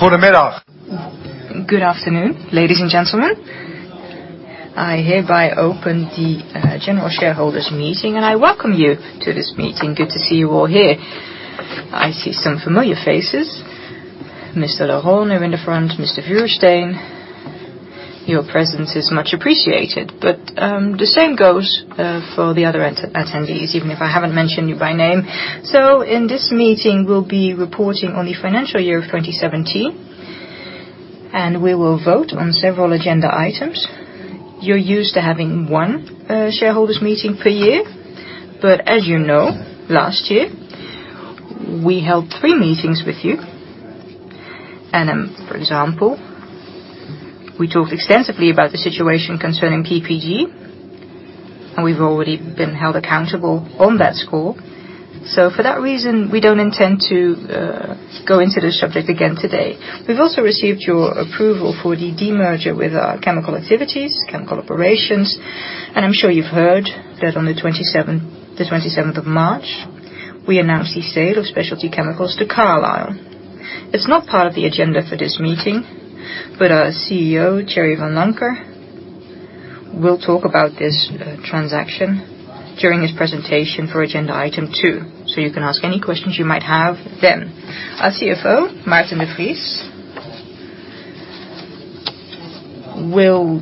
Good afternoon. Good afternoon, ladies and gentlemen. I hereby open the general shareholders meeting and I welcome you to this meeting. Good to see you all here. I see some familiar faces. Mr. Rahon in the front. Mr. Vuursteen, your presence is much appreciated, but the same goes for the other attendees, even if I haven't mentioned you by name. In this meeting, we'll be reporting on the financial year 2017, and we will vote on several agenda items. You're used to having one shareholders meeting per year, but as you know, last year, we held three meetings with you. For example, we talked extensively about the situation concerning PPG, and we've already been held accountable on that score. For that reason, we don't intend to go into this subject again today. We've also received your approval for the demerger with our chemical activities, chemical operations, and I'm sure you've heard that on the 27th of March, we announced the sale of Specialty Chemicals to Carlyle. It's not part of the agenda for this meeting, but our CEO, Thierry Vanlancker, will talk about this transaction during his presentation for agenda item two, so you can ask any questions you might have then. Our CFO, Maarten de Vries, will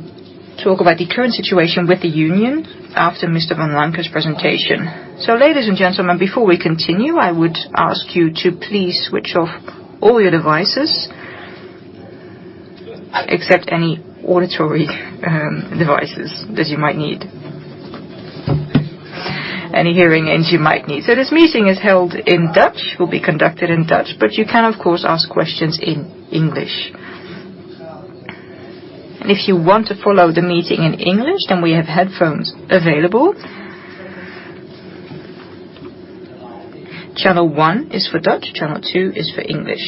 talk about the current situation with the union after Mr. Vanlancker's presentation. Ladies and gentlemen, before we continue, I would ask you to please switch off all your devices, except any auditory devices that you might need. Any hearing aids you might need. This meeting is held in Dutch, will be conducted in Dutch, but you can, of course, ask questions in English. If you want to follow the meeting in English, we have headphones available. Channel one is for Dutch, channel two is for English.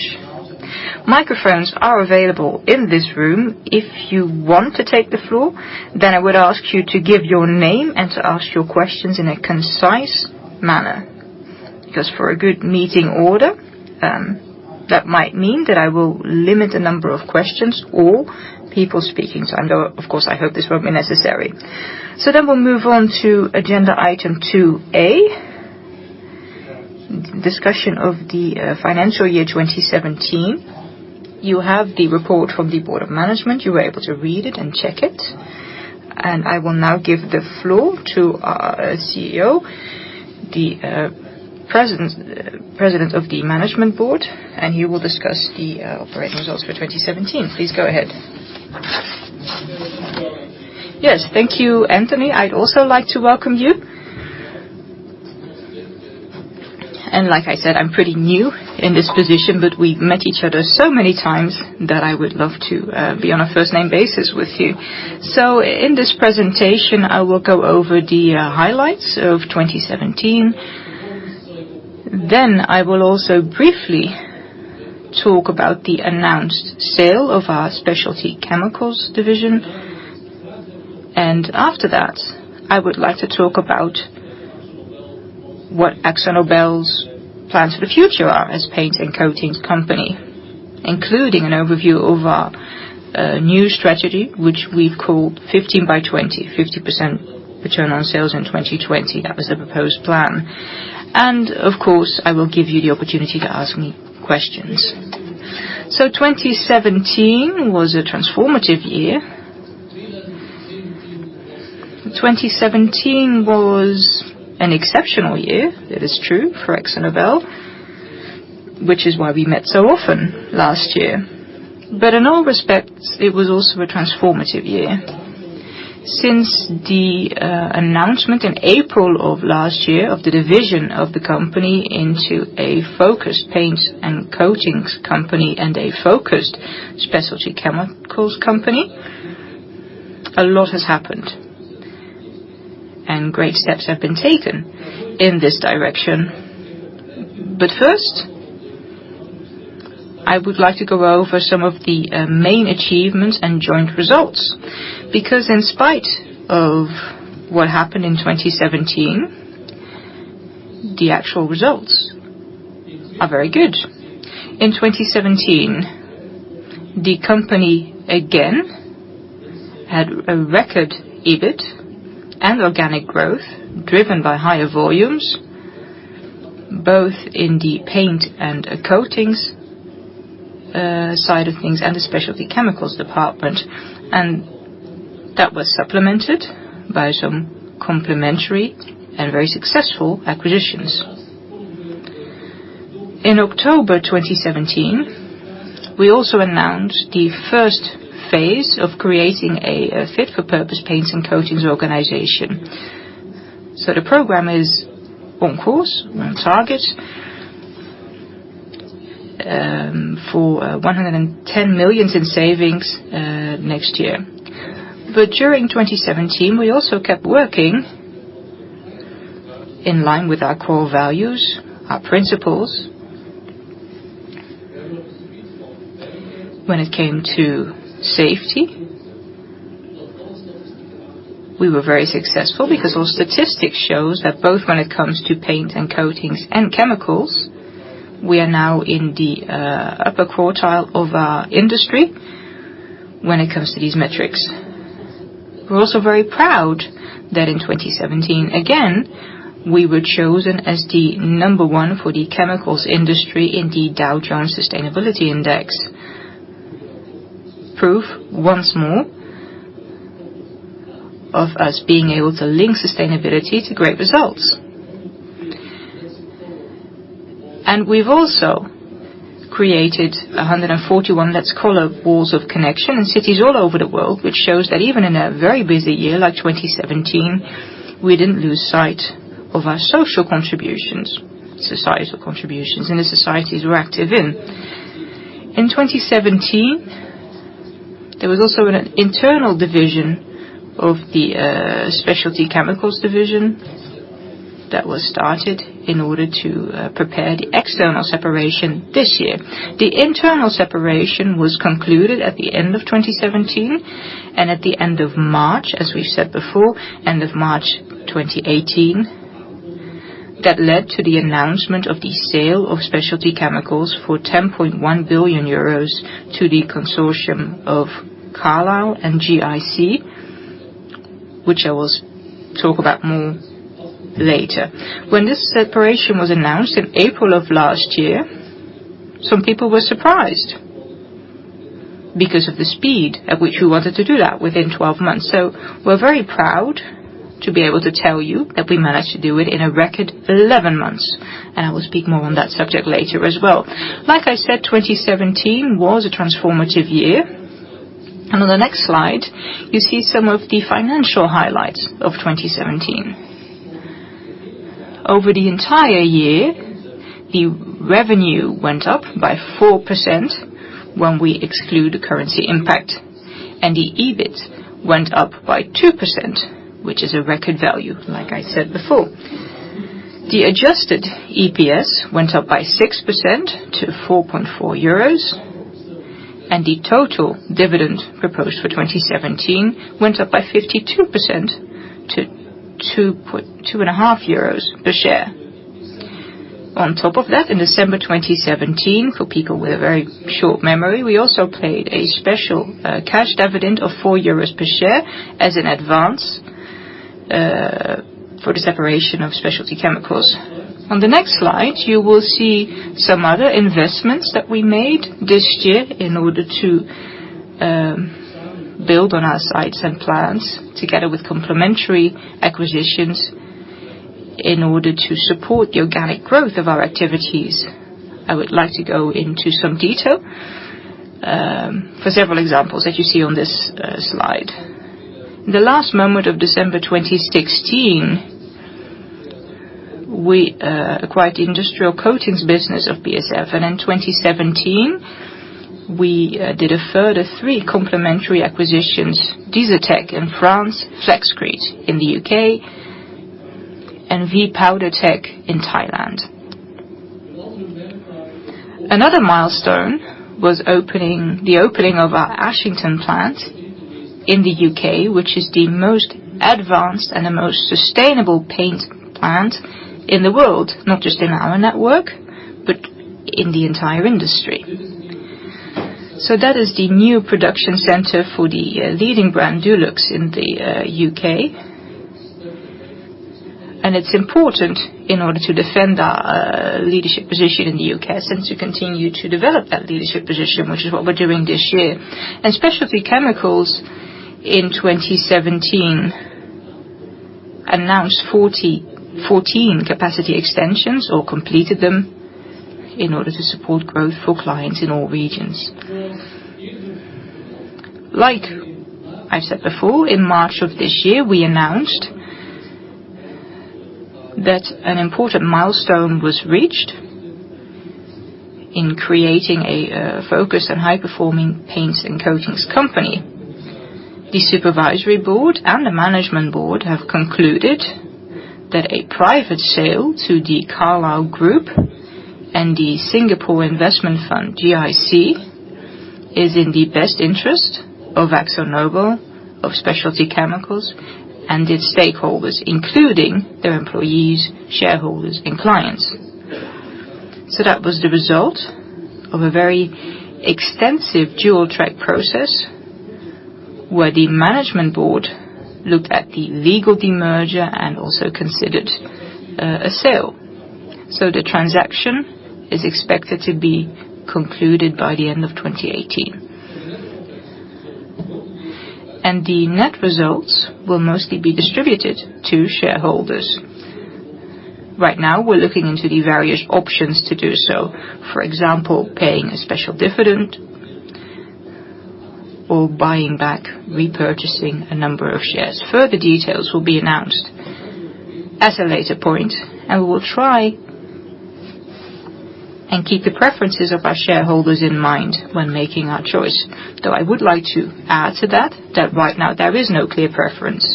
Microphones are available in this room. If you want to take the floor, I would ask you to give your name and to ask your questions in a concise manner, because for a good meeting order, that might mean that I will limit the number of questions or people speaking. Of course, I hope this won't be necessary. We'll move on to agenda item 2A, discussion of the financial year 2017. You have the report from the Board of Management. You were able to read it and check it, and I will now give the floor to our CEO, the President of the Management Board, and he will discuss the operating results for 2017. Please go ahead. Yes. Thank you, Antony. I'd also like to welcome you. Like I said, I'm pretty new in this position, but we've met each other so many times that I would love to be on a first-name basis with you. In this presentation, I will go over the highlights of 2017. I will also briefly talk about the announced sale of our Specialty Chemicals division. After that, I would like to talk about what Akzo Nobel's plans for the future are as paint and coatings company, including an overview of our new strategy, which we've called 15 by 20. 15% return on sales in 2020. That was the proposed plan. Of course, I will give you the opportunity to ask me questions. 2017 was a transformative year. 2017 was an exceptional year, that is true, for Akzo Nobel, which is why we met so often last year. In all respects, it was also a transformative year. Since the announcement in April of last year of the division of the company into a focused paints and coatings company and a focused Specialty Chemicals company, a lot has happened, and great steps have been taken in this direction. First, I would like to go over some of the main achievements and joint results, because in spite of what happened in 2017, the actual results are very good. In 2017, the company again had a record EBIT and organic growth driven by higher volumes, both in the paint and coatings side of things and the Specialty Chemicals department, and that was supplemented by some complementary and very successful acquisitions. In October 2017, we also announced the first phase of creating a fit-for-purpose paints and coatings organization. The program is on course, on target, for €110 million in savings next year. During 2017, we also kept working in line with our core values, our principles, when it came to safety. We were very successful because our statistics shows that both when it comes to paints and coatings and chemicals, we are now in the upper quartile of our industry when it comes to these metrics. We're also very proud that in 2017, again, we were chosen as the number one for the chemicals industry in the Dow Jones Sustainability Index. Proof once more of us being able to link sustainability to great results. We've also created 141 Let's Colour Walls of Connection in cities all over the world, which shows that even in a very busy year like 2017, we didn't lose sight of our social contributions, societal contributions in the societies we're active in. In 2017, there was also an internal division of the Specialty Chemicals division that was started in order to prepare the external separation this year. The internal separation was concluded at the end of 2017 and at the end of March, as we've said before, end of March 2018. That led to the announcement of the sale of Specialty Chemicals for €10.1 billion to the consortium of Carlyle and GIC, which I will talk about more later. This separation was announced in April of last year, some people were surprised because of the speed at which we wanted to do that, within 12 months. We're very proud to be able to tell you that we managed to do it in a record 11 months. I will speak more on that subject later as well. Like I said, 2017 was a transformative year. On the next slide, you see some of the financial highlights of 2017. Over the entire year, the revenue went up by 4% when we exclude currency impact, and the EBIT went up by 2%, which is a record value, like I said before. The adjusted EPS went up by 6% to 4.4 euros, and the total dividend proposed for 2017 went up by 52% to 2.5 euros per share. On top of that, in December 2017, for people with a very short memory, we also paid a special cash dividend of 4 euros per share as an advance for the separation of Specialty Chemicals. On the next slide, you will see some other investments that we made this year in order to build on our sites and plans, together with complementary acquisitions, in order to support the organic growth of our activities. I would like to go into some detail for several examples that you see on this slide. In the last moment of December 2016, we acquired the industrial coatings business of BASF. In 2017, we did a further three complementary acquisitions: Disa Technology in France, Flexcrete in the U.K., and V.Powdertech in Thailand. Another milestone was the opening of our Ashington plant in the U.K., which is the most advanced and the most sustainable paint plant in the world, not just in our network, but in the entire industry. That is the new production center for the leading brand, Dulux, in the U.K. It's important in order to defend our leadership position in the U.K. and to continue to develop that leadership position, which is what we're doing this year. Specialty Chemicals in 2017 announced 14 capacity extensions or completed them in order to support growth for clients in all regions. Like I said before, in March of this year, we announced that an important milestone was reached in creating a focused and high-performing paints and coatings company. The Supervisory Board and the Management Board have concluded that a private sale to The Carlyle Group and the Singapore Investment Fund, GIC, is in the best interest of Akzo Nobel, of Specialty Chemicals, and its stakeholders, including their employees, shareholders, and clients. That was the result of a very extensive dual-track process where the Management Board looked at the legal demerger and also considered a sale. The transaction is expected to be concluded by the end of 2018. The net results will mostly be distributed to shareholders. Right now, we're looking into the various options to do so. For example, paying a special dividend or repurchasing a number of shares. Further details will be announced at a later point, and we will try and keep the preferences of our shareholders in mind when making our choice. I would like to add to that right now there is no clear preference.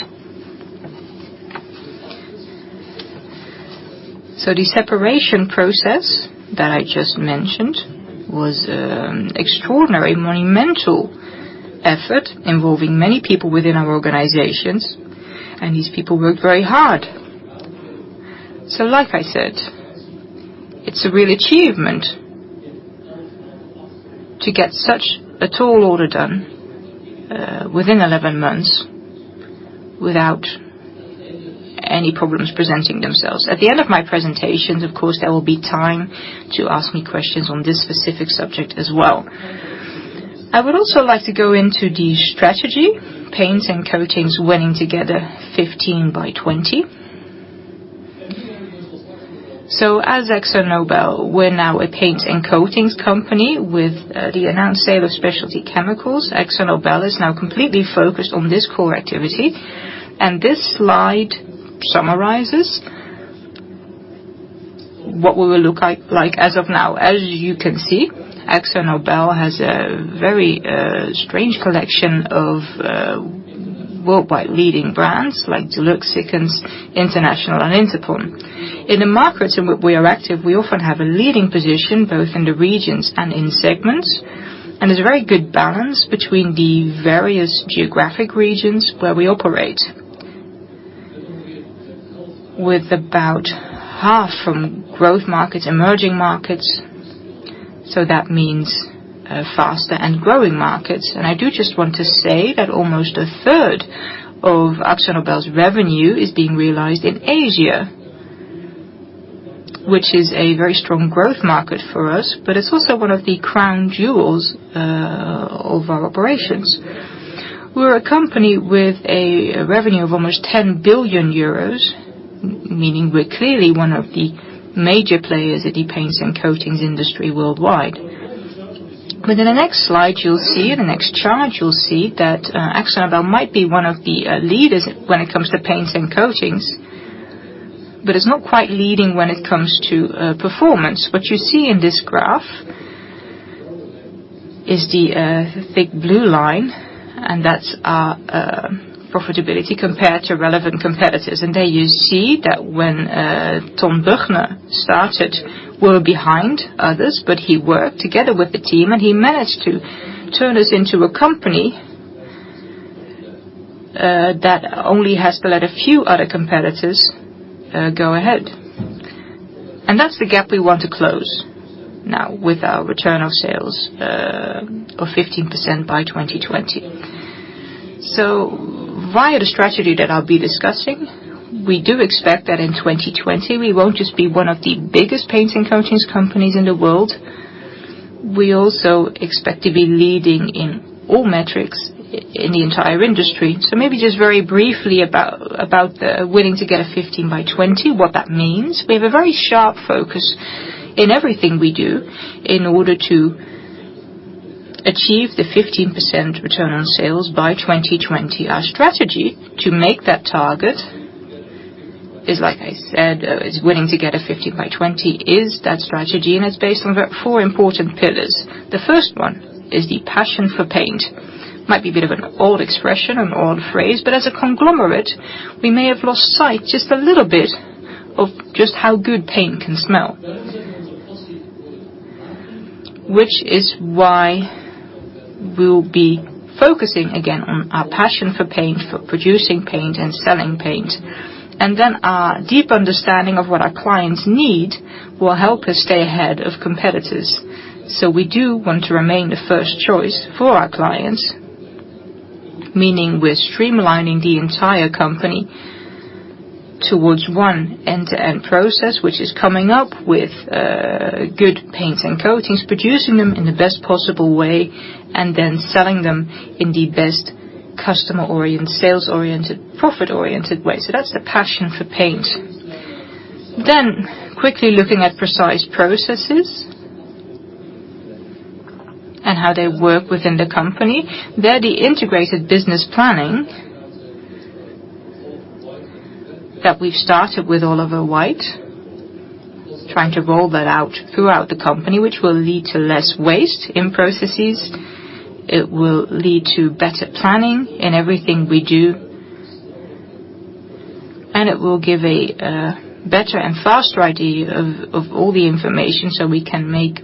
The separation process that I just mentioned was extraordinary monumental effort involving many people within our organizations, and these people worked very hard. Like I said, it's a real achievement to get such a tall order done within 11 months without any problems presenting themselves. At the end of my presentation, of course, there will be time to ask me questions on this specific subject as well. I would also like to go into the strategy, Winning together: 15 by 20. As Akzo Nobel, we are now a paints and coatings company with the announced sale of Specialty Chemicals. Akzo Nobel is now completely focused on this core activity, and this slide summarizes what we will look like as of now. As you can see, Akzo Nobel has a very strange collection of worldwide leading brands like Dulux, Sikkens, International, and Interpon. In the markets in which we are active, we often have a leading position, both in the regions and in segments, and there is a very good balance between the various geographic regions where we operate. With about half from growth markets, emerging markets, that means faster and growing markets. I do just want to say that almost a third of Akzo Nobel's revenue is being realized in Asia, which is a very strong growth market for us, but it is also one of the crown jewels of our operations. We are a company with a revenue of almost 10 billion euros, meaning we are clearly one of the major players in the paints and coatings industry worldwide. The next chart you will see that Akzo Nobel might be one of the leaders when it comes to paints and coatings, but it is not quite leading when it comes to performance. What you see in this graph is the thick blue line, and that is our profitability compared to relevant competitors. There you see that when Ton Büchner started, we are behind others, but he worked together with the team, and he managed to turn us into a company that only has to let a few other competitors go ahead. That is the gap we want to close now with our Return on Sales of 15% by 2020. Via the strategy that I will be discussing, we do expect that in 2020 we will not just be one of the biggest paints and coatings companies in the world, we also expect to be leading in all metrics in the entire industry. Maybe just very briefly about the Winning together: 15 by 20, what that means. We have a very sharp focus in everything we do in order to achieve the 15% Return on Sales by 2020. Our strategy to make that target is, like I said, Winning together: 15 by 20 is that strategy, and it is based on about four important pillars. The first one is the passion for paint. Might be a bit of an old expression, an old phrase, but as a conglomerate, we may have lost sight just a little bit of just how good paint can smell. Which is why we will be focusing again on our passion for paint, for producing paint and selling paint. Then our deep understanding of what our clients need will help us stay ahead of competitors. We do want to remain the first choice for our clients, meaning we are streamlining the entire company towards one end-to-end process, which is coming up with good paints and coatings, producing them in the best possible way, and then selling them in the best customer-oriented, sales-oriented, profit-oriented way. That's the passion for paint. Quickly looking at precise processes and how they work within the company. They are the integrated business planning that we've started with Oliver Wight, trying to roll that out throughout the company, which will lead to less waste in processes. It will lead to better planning in everything we do, and it will give a better and faster idea of all the information so we can make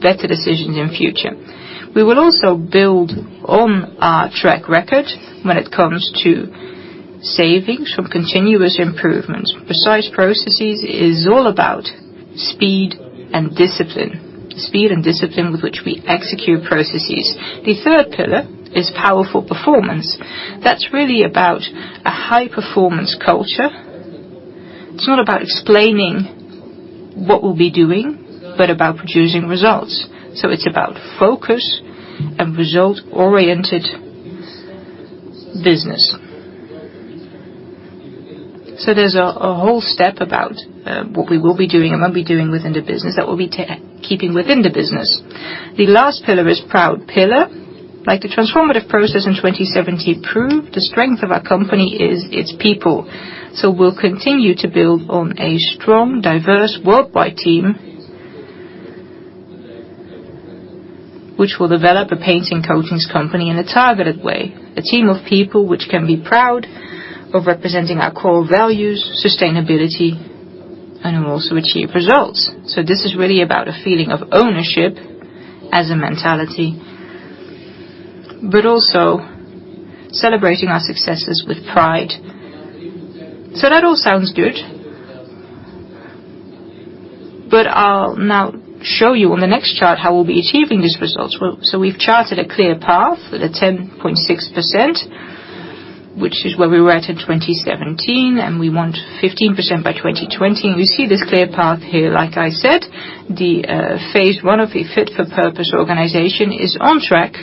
better decisions in future. We will also build on our track record when it comes to savings from continuous improvements. Precise processes is all about speed and discipline. Speed and discipline with which we execute processes. The third pillar is powerful performance. That's really about a high-performance culture. It's not about explaining what we'll be doing, but about producing results. It's about focus and result-oriented business. There's a whole step about what we will be doing and won't be doing within the business that we'll be keeping within the business. The last pillar is proud pillar. Like the transformative process in 2017 proved, the strength of our company is its people. We'll continue to build on a strong, diverse worldwide team which will develop a painting coatings company in a targeted way. A team of people which can be proud of representing our core values, sustainability, and will also achieve results. This is really about a feeling of ownership as a mentality, but also celebrating our successes with pride. That all sounds good, but I'll now show you on the next chart how we'll be achieving these results. We've charted a clear path with a 10.6%, which is where we were at in 2017, and we want 15% by 2020. We see this clear path here, like I said. The phase 1 of a fit for purpose organization is on track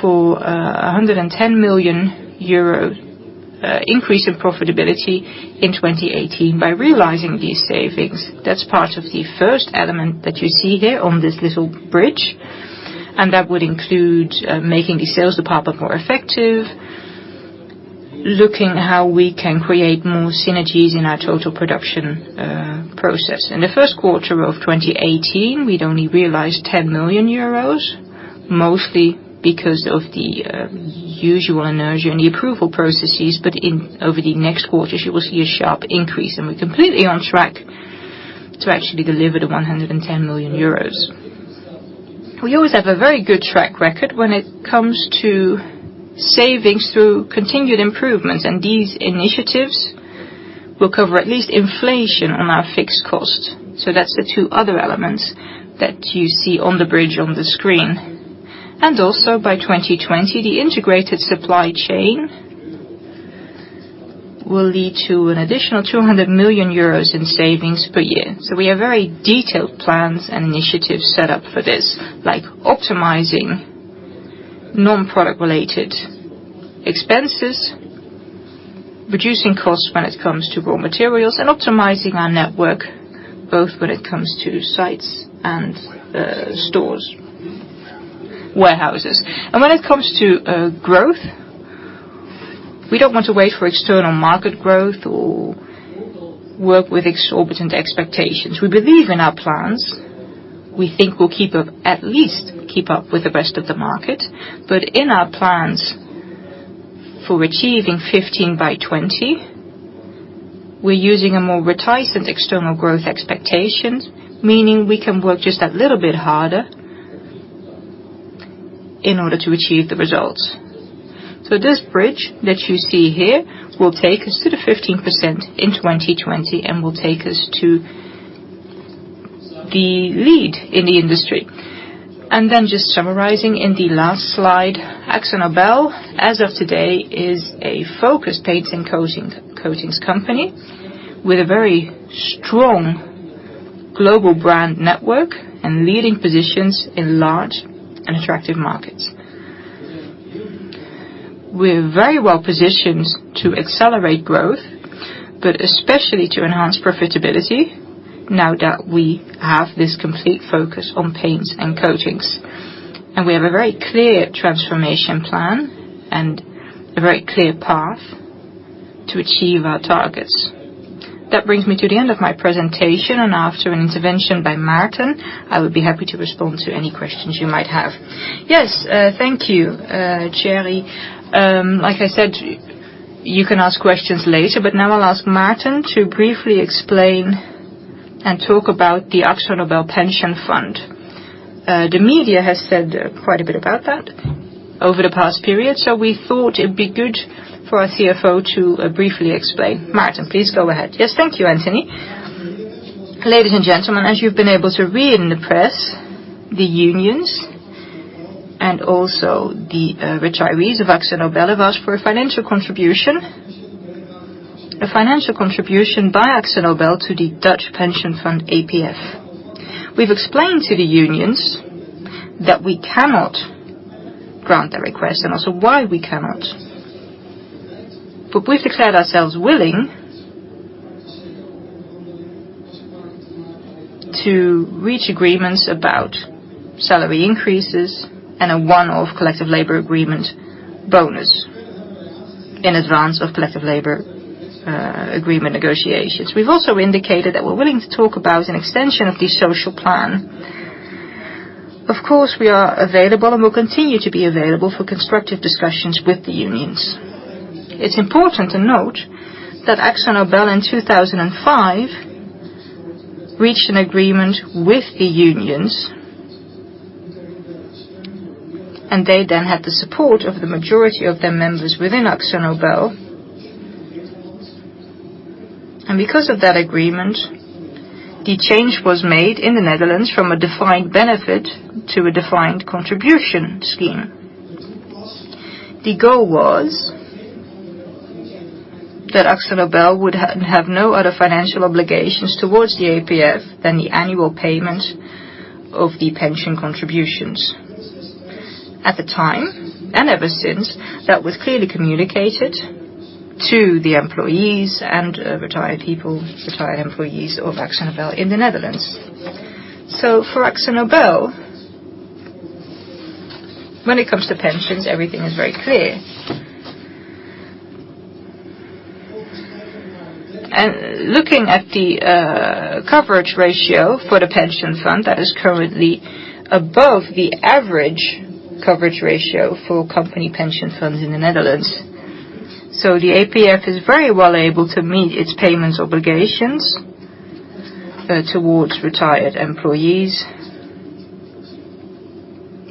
for 110 million euro increase in profitability in 2018 by realizing these savings. That's part of the first element that you see here on this little bridge, that would include making the sales department more effective, looking how we can create more synergies in our total production process. In the first quarter of 2018, we'd only realized 10 million euros, mostly because of the usual inertia and the approval processes. Over the next quarter, you will see a sharp increase, and we're completely on track to actually deliver the 110 million euros. We always have a very good track record when it comes to savings through continued improvements, these initiatives will cover at least inflation on our fixed cost. That's the two other elements that you see on the bridge on the screen. Also by 2020, the integrated supply chain will lead to an additional 200 million euros in savings per year. We have very detailed plans and initiatives set up for this, like optimizing non-product related expenses, reducing costs when it comes to raw materials, and optimizing our network, both when it comes to sites and stores, warehouses. When it comes to growth, we don't want to wait for external market growth or work with exorbitant expectations. We believe in our plans. We think we'll at least keep up with the rest of the market. In our plans for achieving 15 by 20, we're using a more reticent external growth expectation, meaning we can work just that little bit harder in order to achieve the results. This bridge that you see here will take us to the 15% in 2020 and will take us to the lead in the industry. Just summarizing in the last slide, Akzo Nobel, as of today, is a focused paints and coatings company with a very strong global brand network and leading positions in large and attractive markets. We're very well positioned to accelerate growth, but especially to enhance profitability now that we have this complete focus on paints and coatings. We have a very clear transformation plan and a very clear path to achieve our targets. That brings me to the end of my presentation, and after an intervention by Maarten, I would be happy to respond to any questions you might have. Yes. Thank you, Thierry. Like I said, you can ask questions later, now I'll ask Maarten to briefly explain and talk about the Akzo Nobel pension fund. The media has said quite a bit about that over the past period, we thought it'd be good for our CFO to briefly explain. Maarten, please go ahead. Yes. Thank you, Antony. Ladies and gentlemen, as you've been able to read in the press, the unions and also the retirees of Akzo Nobel have asked for a financial contribution. A financial contribution by Akzo Nobel to the Dutch pension fund, APF. We've explained to the unions that we cannot grant the request, and also why we cannot. We've declared ourselves willing to reach agreements about salary increases and a one-off collective labor agreement bonus in advance of collective labor agreement negotiations. We've also indicated that we're willing to talk about an extension of the social plan. Of course, we are available and will continue to be available for constructive discussions with the unions. It's important to note that Akzo Nobel in 2005 reached an agreement with the unions, and they then had the support of the majority of their members within Akzo Nobel. Because of that agreement, the change was made in the Netherlands from a defined benefit to a defined contribution scheme. The goal was that Akzo Nobel would have no other financial obligations towards the APF than the annual payment of the pension contributions. At the time, and ever since, that was clearly communicated to the employees and retired people, retired employees of Akzo Nobel in the Netherlands. For Akzo Nobel, when it comes to pensions, everything is very clear. Looking at the coverage ratio for the pension fund, that is currently above the average coverage ratio for company pension funds in the Netherlands. The APF is very well able to meet its payments obligations towards retired employees.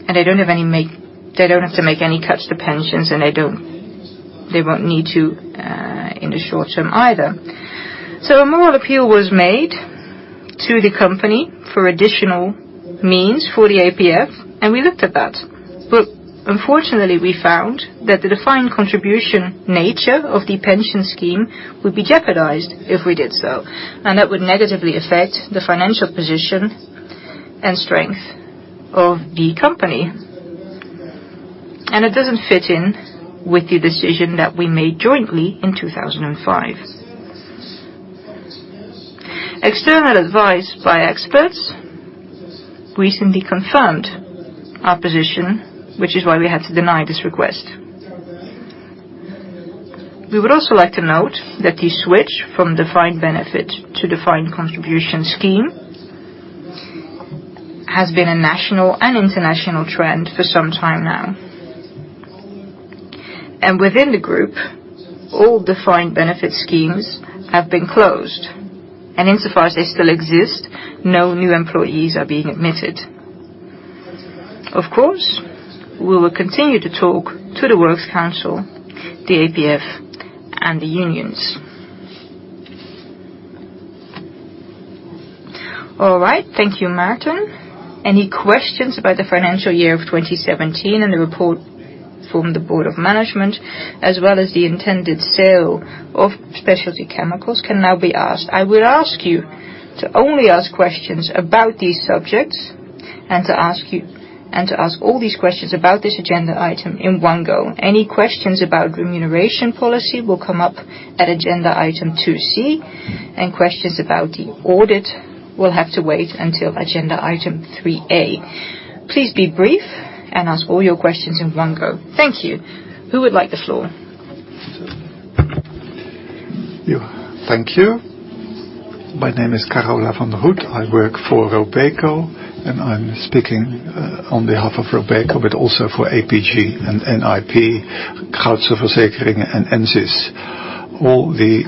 They don't have to make any cuts to pensions, and they won't need to in the short term either. A moral appeal was made to the company for additional means for the APF, we looked at that. Unfortunately, we found that the defined contribution nature of the pension scheme would be jeopardized if we did so. That would negatively affect the financial position and strength of the company. It doesn't fit in with the decision that we made jointly in 2005. External advice by experts recently confirmed our position, which is why we had to deny this request. We would also like to note that the switch from defined benefit to defined contribution scheme has been a national and international trend for some time now. Within the group, all defined benefit schemes have been closed. Insofar as they still exist, no new employees are being admitted. We will continue to talk to the works council, the APF, and the unions. All right. Thank you, Maarten. Any questions about the financial year of 2017 and the report from the board of management, as well as the intended sale of Specialty Chemicals can now be asked. I would ask you to only ask questions about these subjects, and to ask all these questions about this agenda item in one go. Any questions about remuneration policy will come up at agenda item 2C, and questions about the audit will have to wait until agenda item 3A. Please be brief and ask all your questions in one go. Thank you. Who would like the floor? Thank you. My name is Carola van de Riet. I work for Robeco, I'm speaking on behalf of Robeco, but also for APG, MN, Verzekeringen, and GIC, all the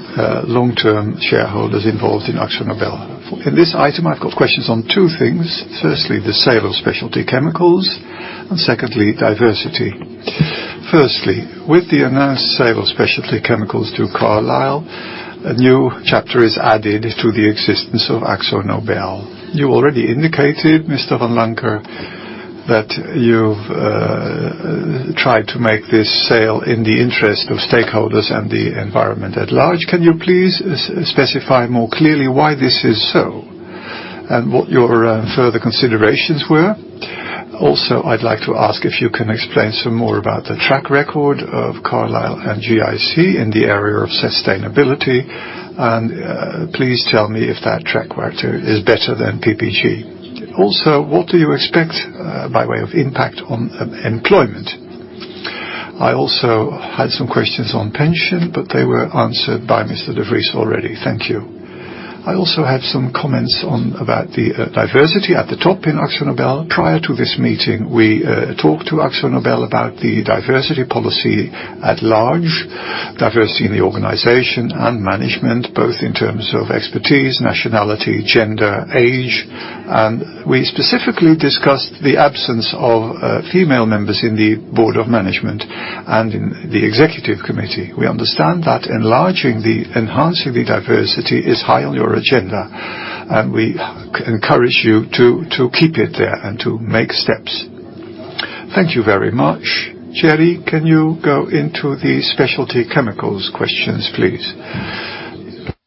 long-term shareholders involved in AkzoNobel. In this item, I've got questions on two things. Firstly, the sale of Specialty Chemicals. Secondly, diversity. Firstly, with the announced sale of Specialty Chemicals to Carlyle, a new chapter is added to the existence of AkzoNobel. You already indicated, Mr. Vanlancker, that you've tried to make this sale in the interest of stakeholders and the environment at large. Can you please specify more clearly why this is so, what your further considerations were? I'd like to ask if you can explain some more about the track record of Carlyle and GIC in the area of sustainability. Please tell me if that track record is better than PPG. What do you expect by way of impact on employment? I had some questions on pension, but they were answered by Mr. De Vries already. Thank you. I have some comments about the diversity at the top in AkzoNobel. Prior to this meeting, we talked to AkzoNobel about the diversity policy at large, diversity in the organization and management, both in terms of expertise, nationality, gender, age. We specifically discussed the absence of female members in the board of management and in the executive committee. We understand that enlarging, enhancing the diversity is high on your agenda, and we encourage you to keep it there and to make steps. Thank you very much. Thierry, can you go into the Specialty Chemicals questions, please?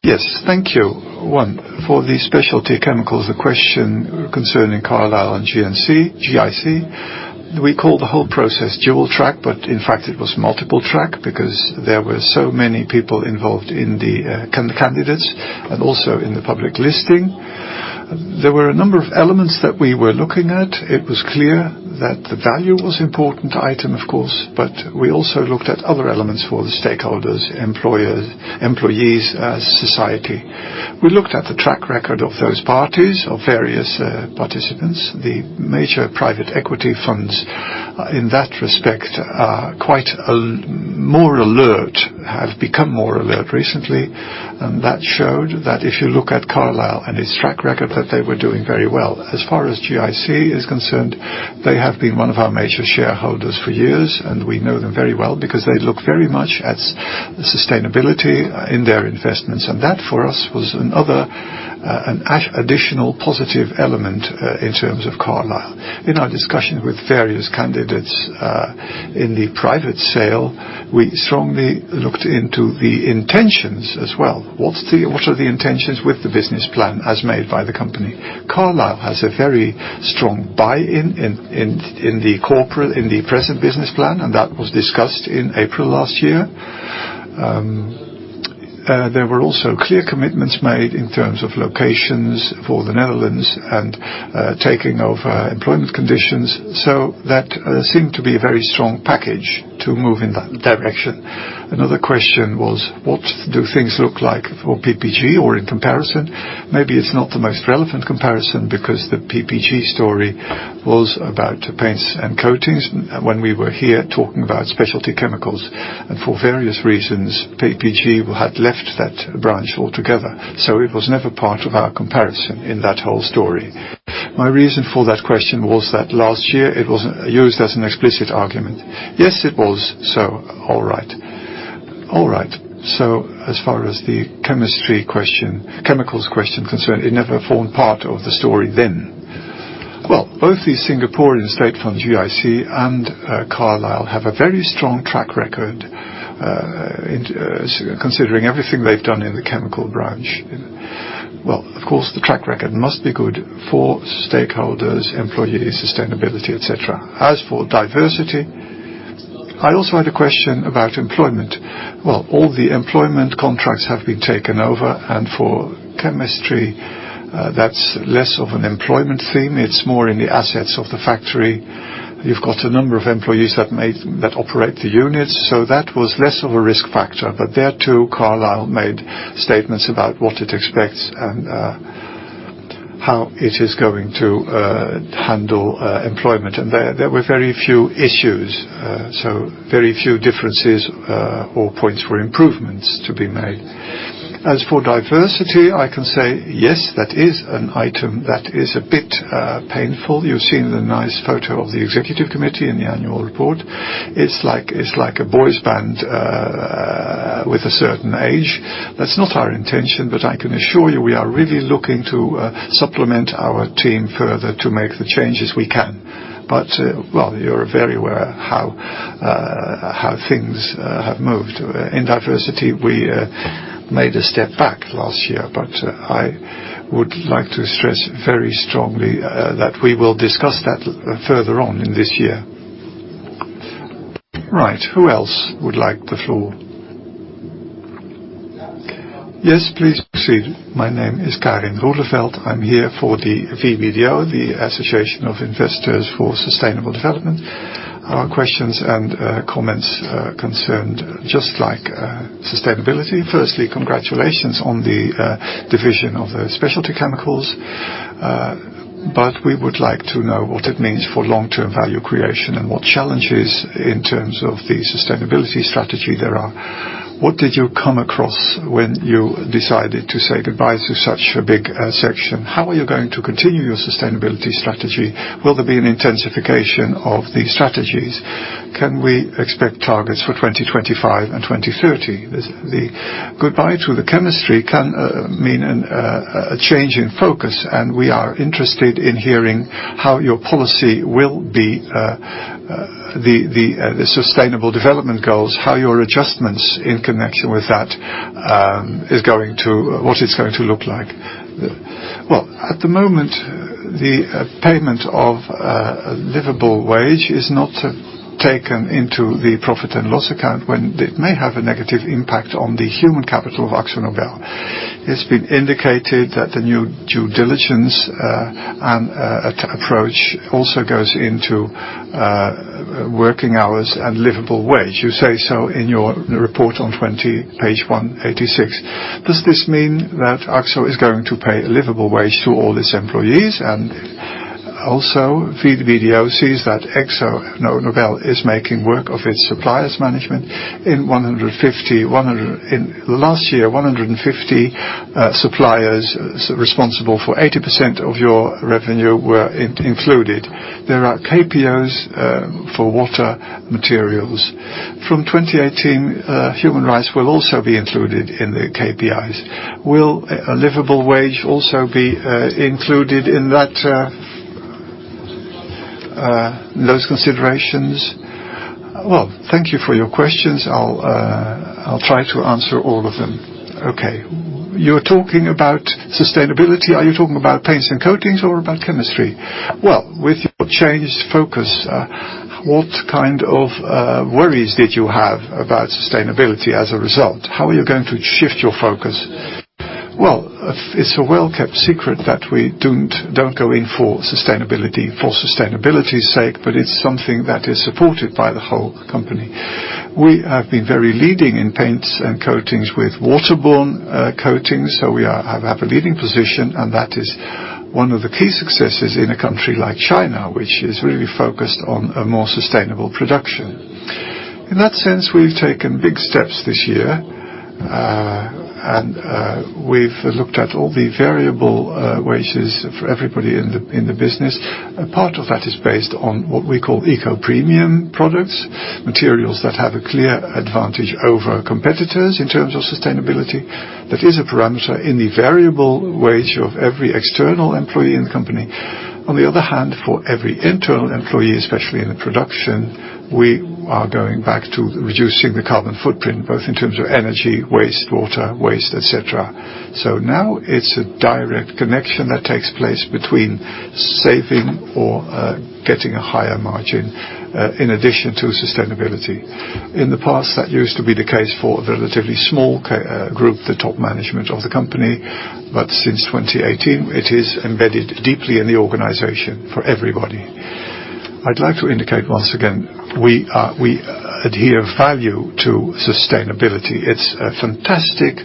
Yes. Thank you. One, for the Specialty Chemicals, the question concerning Carlyle and GIC. We call the whole process dual track, but in fact, it was multiple track because there were so many people involved in the candidates and also in the public listing. There were a number of elements that we were looking at. It was clear that the value was important item, of course, but we also looked at other elements for the stakeholders, employees, society. We looked at the track record of those parties, of various participants. The major private equity funds in that respect are quite more alert, have become more alert recently. That showed that if you look at Carlyle and its track record, that they were doing very well. As far as GIC is concerned, they have been one of our major shareholders for years, and we know them very well because they look very much at sustainability in their investments. That, for us, was another, an additional positive element in terms of Carlyle. In our discussion with various candidates in the private sale, we strongly looked into the intentions as well. What are the intentions with the business plan as made by the company? Carlyle has a very strong buy-in in the present business plan, and that was discussed in April last year. There were also clear commitments made in terms of locations for the Netherlands and taking over employment conditions. That seemed to be a very strong package to move in that direction. Another question was, what do things look like for PPG or in comparison? Maybe it's not the most relevant comparison because the PPG story was about paints and coatings when we were here talking about Specialty Chemicals, and for various reasons, PPG had left that branch altogether. It was never part of our comparison in that whole story. My reason for that question was that last year it was used as an explicit argument. Yes, it was. All right. As far as the chemicals question is concerned, it never formed part of the story then. Both the Singaporean state fund, GIC, and Carlyle have a very strong track record considering everything they've done in the chemical branch. Of course, the track record must be good for stakeholders, employees, sustainability, et cetera. As for diversity, I also had a question about employment. All the employment contracts have been taken over, and for chemistry, that's less of an employment theme. It's more in the assets of the factory. You've got a number of employees that operate the unit. That was less of a risk factor. There, too, Carlyle made statements about what it expects and how it is going to handle employment. There were very few issues, so very few differences or points for improvements to be made. As for diversity, I can say yes, that is an item that is a bit painful. You've seen the nice photo of the executive committee in the annual report. It's like a boy band with a certain age. That's not our intention, but I can assure you we are really looking to supplement our team further to make the changes we can. You're very aware how things have moved. In diversity, we made a step back last year, I would like to stress very strongly that we will discuss that further on in this year. Who else would like the floor? Yes, please proceed. My name is Karin Rodefeld. I'm here for the VBDO, the Association of Investors for Sustainable Development. Our questions and comments concerned sustainability. Firstly, congratulations on the division of the Specialty Chemicals. We would like to know what it means for long-term value creation and what challenges in terms of the sustainability strategy there are. What did you come across when you decided to say goodbye to such a big section? How are you going to continue your sustainability strategy? Will there be an intensification of the strategies? Can we expect targets for 2025 and 2030? The goodbye to the chemistry can mean a change in focus, we are interested in hearing how your policy will be, the sustainable development goals, how your adjustments in connection with that, what it's going to look like. At the moment, the payment of a livable wage is not taken into the profit and loss account when it may have a negative impact on the human capital of Akzo Nobel. It's been indicated that the new due diligence approach also goes into working hours and livable wage. You say so in your report on page 186. Does this mean that Akzo is going to pay a livable wage to all its employees? Also, VBDO sees that Akzo Nobel is making work of its suppliers management. In the last year, 150 suppliers responsible for 80% of your revenue were included. There are KPIs for water materials. From 2018, human rights will also be included in the KPIs. Will a living wage also be included in those considerations? Thank you for your questions. I'll try to answer all of them. You're talking about sustainability. Are you talking about paints and coatings or about chemistry? With your changed focus, what kind of worries did you have about sustainability as a result? How are you going to shift your focus? It's a well-kept secret that we don't go in for sustainability for sustainability's sake, it's something that is supported by the whole company. We have been very leading in paints and coatings with waterborne coatings, we have a leading position, that is one of the key successes in a country like China, which is really focused on a more sustainable production. In that sense, we've taken big steps this year, we've looked at all the variable wages for everybody in the business. A part of that is based on what we call Eco-premium products, materials that have a clear advantage over competitors in terms of sustainability. That is a parameter in the variable wage of every external employee in the company. On the other hand, for every internal employee, especially in the production, we are going back to reducing the carbon footprint, both in terms of energy, waste water, waste, et cetera. Now it's a direct connection that takes place between saving or getting a higher margin, in addition to sustainability. In the past, that used to be the case for a relatively small group, the top management of the company. Since 2018, it is embedded deeply in the organization for everybody. I'd like to indicate once again, we adhere value to sustainability. It's a fantastic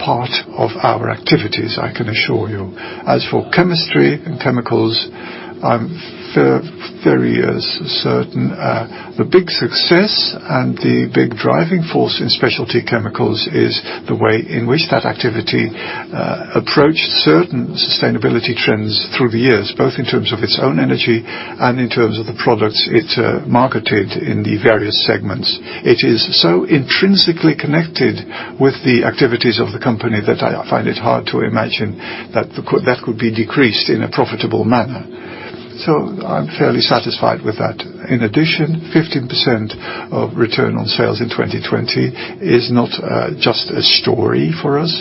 part of our activities, I can assure you. As for chemistry and chemicals, I'm very certain the big success and the big driving force in Specialty Chemicals is the way in which that activity approached certain sustainability trends through the years, both in terms of its own energy and in terms of the products it marketed in the various segments. It is so intrinsically connected with the activities of the company that I find it hard to imagine that could be decreased in a profitable manner. I'm fairly satisfied with that. In addition, 15% of Return on Sales in 2020 is not just a story for us.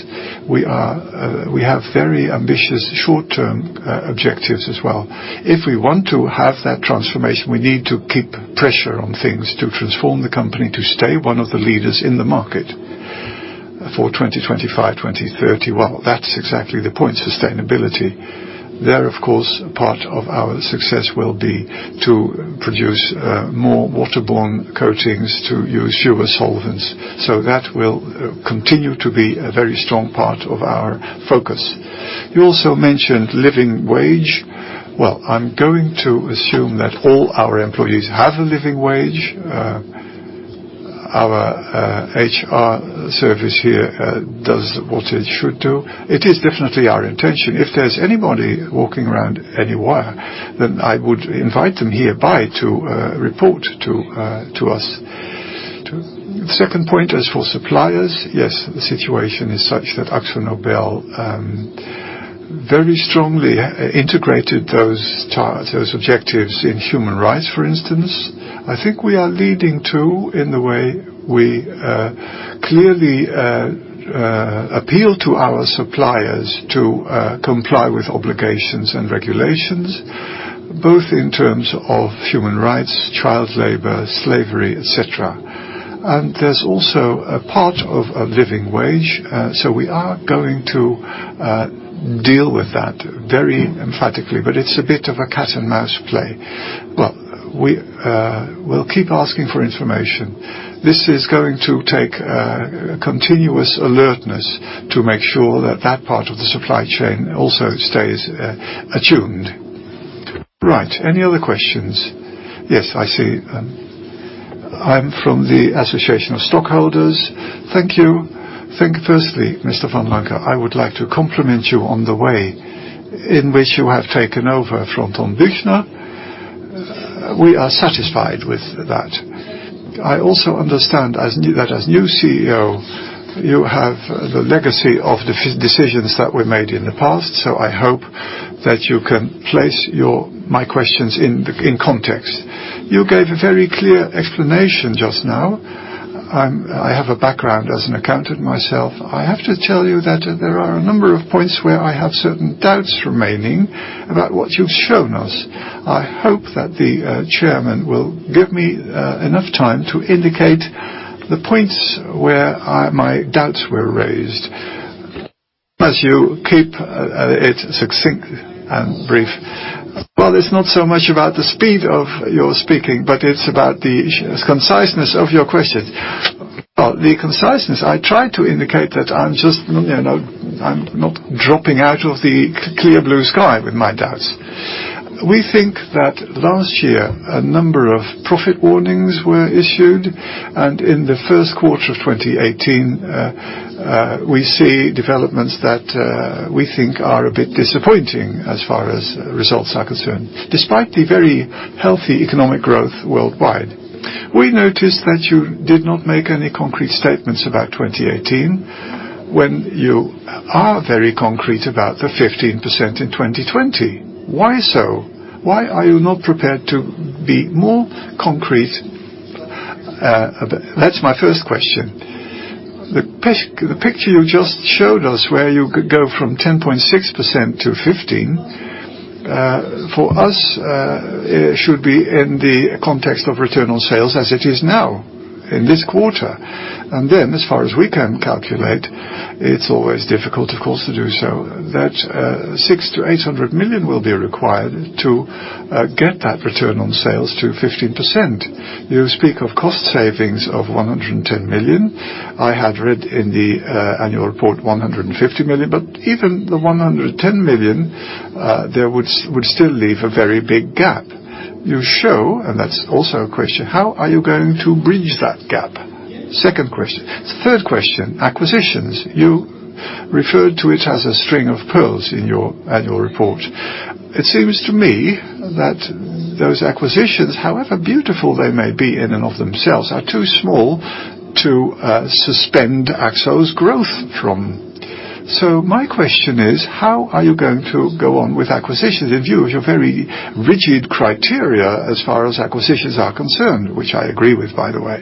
We have very ambitious short-term objectives as well. If we want to have that transformation, we need to keep pressure on things to transform the company to stay one of the leaders in the market for 2025, 2030. That's exactly the point, sustainability. There, of course, part of our success will be to produce more waterborne coatings to use fewer solvents. That will continue to be a very strong part of our focus. You also mentioned living wage. I'm going to assume that all our employees have a living wage. Our HR service here does what it should do. It is definitely our intention. If there's anybody walking around anywhere, I would invite them hereby to report to us. Second point, as for suppliers, yes, the situation is such that AkzoNobel very strongly integrated those objectives in human rights, for instance. I think we are leading, too, in the way we clearly appeal to our suppliers to comply with obligations and regulations, both in terms of human rights, child labor, slavery, et cetera. There is also a part of a living wage. We are going to deal with that very emphatically, but it's a bit of a cat and mouse play. Well, we'll keep asking for information. This is going to take a continuous alertness to make sure that that part of the supply chain also stays attuned. Right. Any other questions? Yes, I see. I am from the Association of Stockholders. Thank you. Firstly, Mr. Vanlancker, I would like to compliment you on the way in which you have taken over from Ton Büchner. We are satisfied with that. I also understand that as new CEO, you have the legacy of decisions that were made in the past. I hope that you can place my questions in context. You gave a very clear explanation just now. I have a background as an accountant myself. I have to tell you that there are a number of points where I have certain doubts remaining about what you've shown us. I hope that the chairman will give me enough time to indicate the points where my doubts were raised as you keep it succinct and brief. Well, it's not so much about the speed of your speaking, but it's about the conciseness of your question. The conciseness, I try to indicate that I am not dropping out of the clear blue sky with my doubts. We think that last year, a number of profit warnings were issued, in the first quarter of 2018, we see developments that we think are a bit disappointing as far as results are concerned, despite the very healthy economic growth worldwide. We noticed that you did not make any concrete statements about 2018 when you are very concrete about the 15% in 2020. Why so? Why are you not prepared to be more concrete? That is my first question. The picture you just showed us where you could go from 10.6% to 15%, for us, should be in the context of Return on Sales as it is now in this quarter. Then, as far as we can calculate, it's always difficult, of course, to do so, that 600 million-800 million will be required to get that Return on Sales to 15%. You speak of cost savings of 110 million. I had read in the annual report 150 million, but even the 110 million, that would still leave a very big gap. You show, and that is also a question, how are you going to bridge that gap? Second question. Third question. Acquisitions. You referred to it as a string of pearls in your annual report. It seems to me that those acquisitions, however beautiful they may be in and of themselves, are too small to suspend Akzo's growth from. My question is, how are you going to go on with acquisitions in view of your very rigid criteria as far as acquisitions are concerned? Which I agree with, by the way.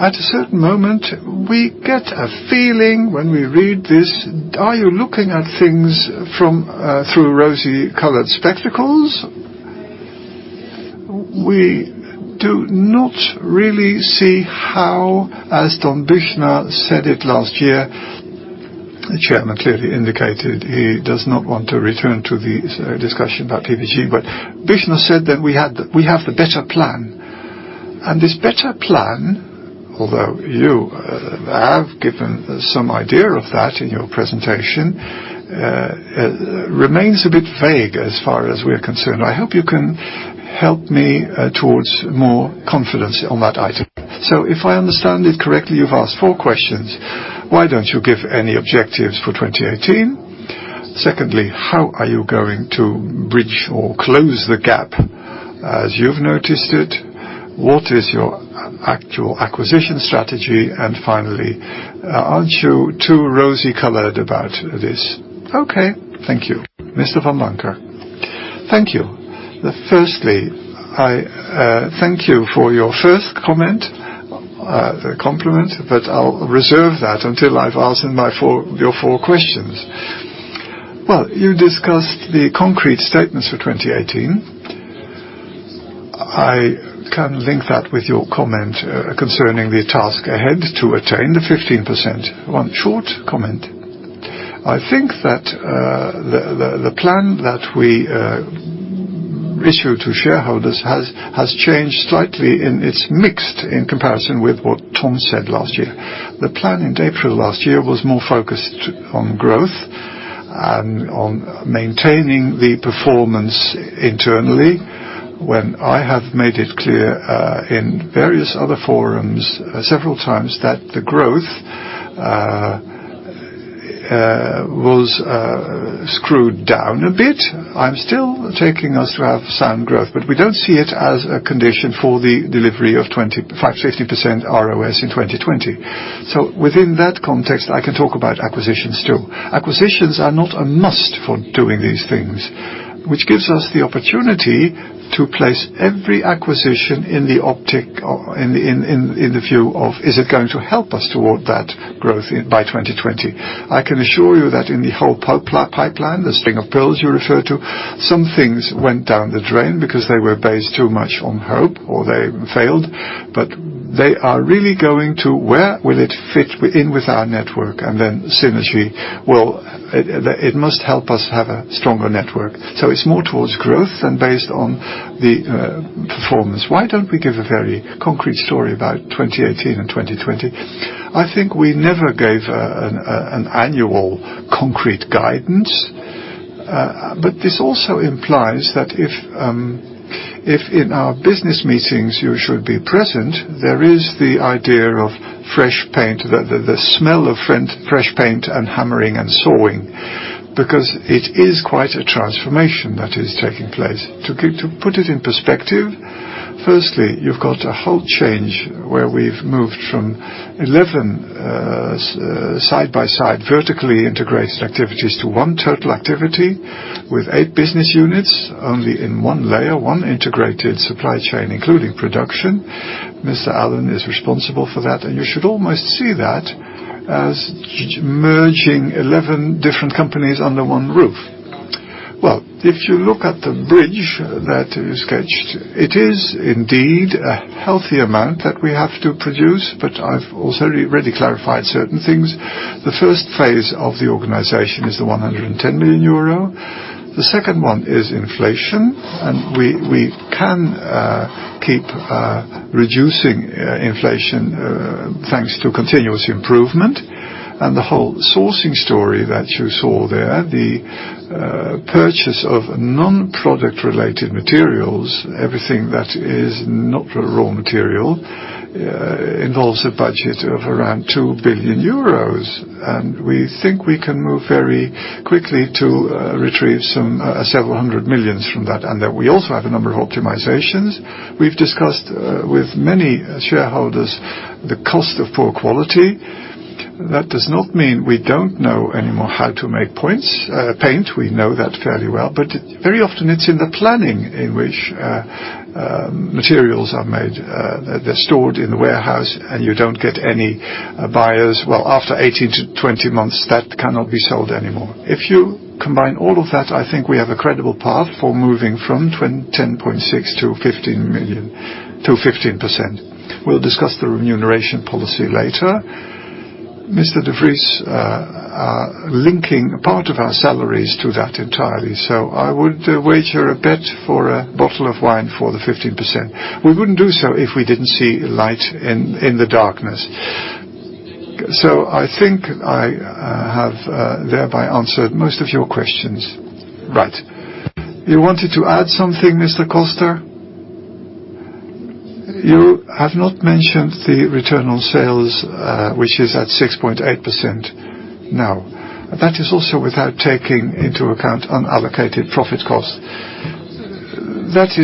At a certain moment, we get a feeling when we read this, are you looking at things through rosy-colored spectacles? We do not really see how, as Ton Büchner said it last year, the chairman clearly indicated he does not want to return to the discussion about PPG. This better plan, although you have given some idea of that in your presentation, remains a bit vague as far as we're concerned. I hope you can help me towards more confidence on that item. If I understand it correctly, you've asked four questions. Why don't you give any objectives for 2018? Secondly, how are you going to bridge or close the gap, as you've noticed it? What is your actual acquisition strategy? Finally, aren't you too rosy-colored about this? Okay. Thank you. Mr. Vanlancker. Thank you. Firstly, thank you for your first comment, a compliment, but I'll reserve that until I've answered your four questions. Well, you discussed the concrete statements for 2018. I can link that with your comment concerning the task ahead to attain the 15%. One short comment. I think that the plan that we issue to shareholders has changed slightly and it's mixed in comparison with what Ton said last year. The plan in April last year was more focused on growth and on maintaining the performance internally. I have made it clear in various other forums several times that the growth was screwed down a bit. I'm still taking us to have sound growth, but we don't see it as a condition for the delivery of 15% ROS in 2020. So within that context, I can talk about acquisitions too. Acquisitions are not a must for doing these things. Which gives us the opportunity to place every acquisition in the optic, in the view of, is it going to help us toward that growth by 2020? I can assure you that in the whole pipeline, the string of pearls you refer to, some things went down the drain because they were based too much on hope or they failed, but they are really going to, where will it fit in with our network? Then synergy. Well, it must help us have a stronger network. So it's more towards growth than based on the performance. Why don't we give a very concrete story about 2018 and 2020? I think we never gave an annual concrete guidance, but this also implies that if in our business meetings you should be present, there is the idea of fresh paint, the smell of fresh paint and hammering and sawing, because it is quite a transformation that is taking place. To put it in perspective, firstly, you've got a whole change where we've moved from 11 side-by-side vertically integrated activities to one total activity with eight business units, only in one layer, one integrated supply chain, including production. Mr. Allen is responsible for that. You should almost see that as merging 11 different companies under one roof. If you look at the bridge that you sketched, it is indeed a healthy amount that we have to produce, but I've also already clarified certain things. The first phase of the organization is the 110 million euro. The second one is inflation. We can keep reducing inflation thanks to continuous improvement. The whole sourcing story that you saw there, the purchase of non-product related materials, everything that is not a raw material, involves a budget of around 2 billion euros. We think we can move very quickly to retrieve several hundred million EUR from that. We also have a number of optimizations. We've discussed with many shareholders the cost of poor quality. That does not mean we don't know any more how to make paint. We know that fairly well. Very often it's in the planning in which materials are made. They're stored in the warehouse and you don't get any buyers. After 18-20 months, that cannot be sold anymore. If you combine all of that, I think we have a credible path for moving from 10.6%-15%. We'll discuss the remuneration policy later. Mr. De Vries are linking part of our salaries to that entirely. I would wager a bet for a bottle of wine for the 15%. We wouldn't do so if we didn't see light in the darkness. I think I have thereby answered most of your questions. Right. You wanted to add something, Mr. Koster? You have not mentioned the return on sales, which is at 6.8%. That is also without taking into account unallocated profit costs. That's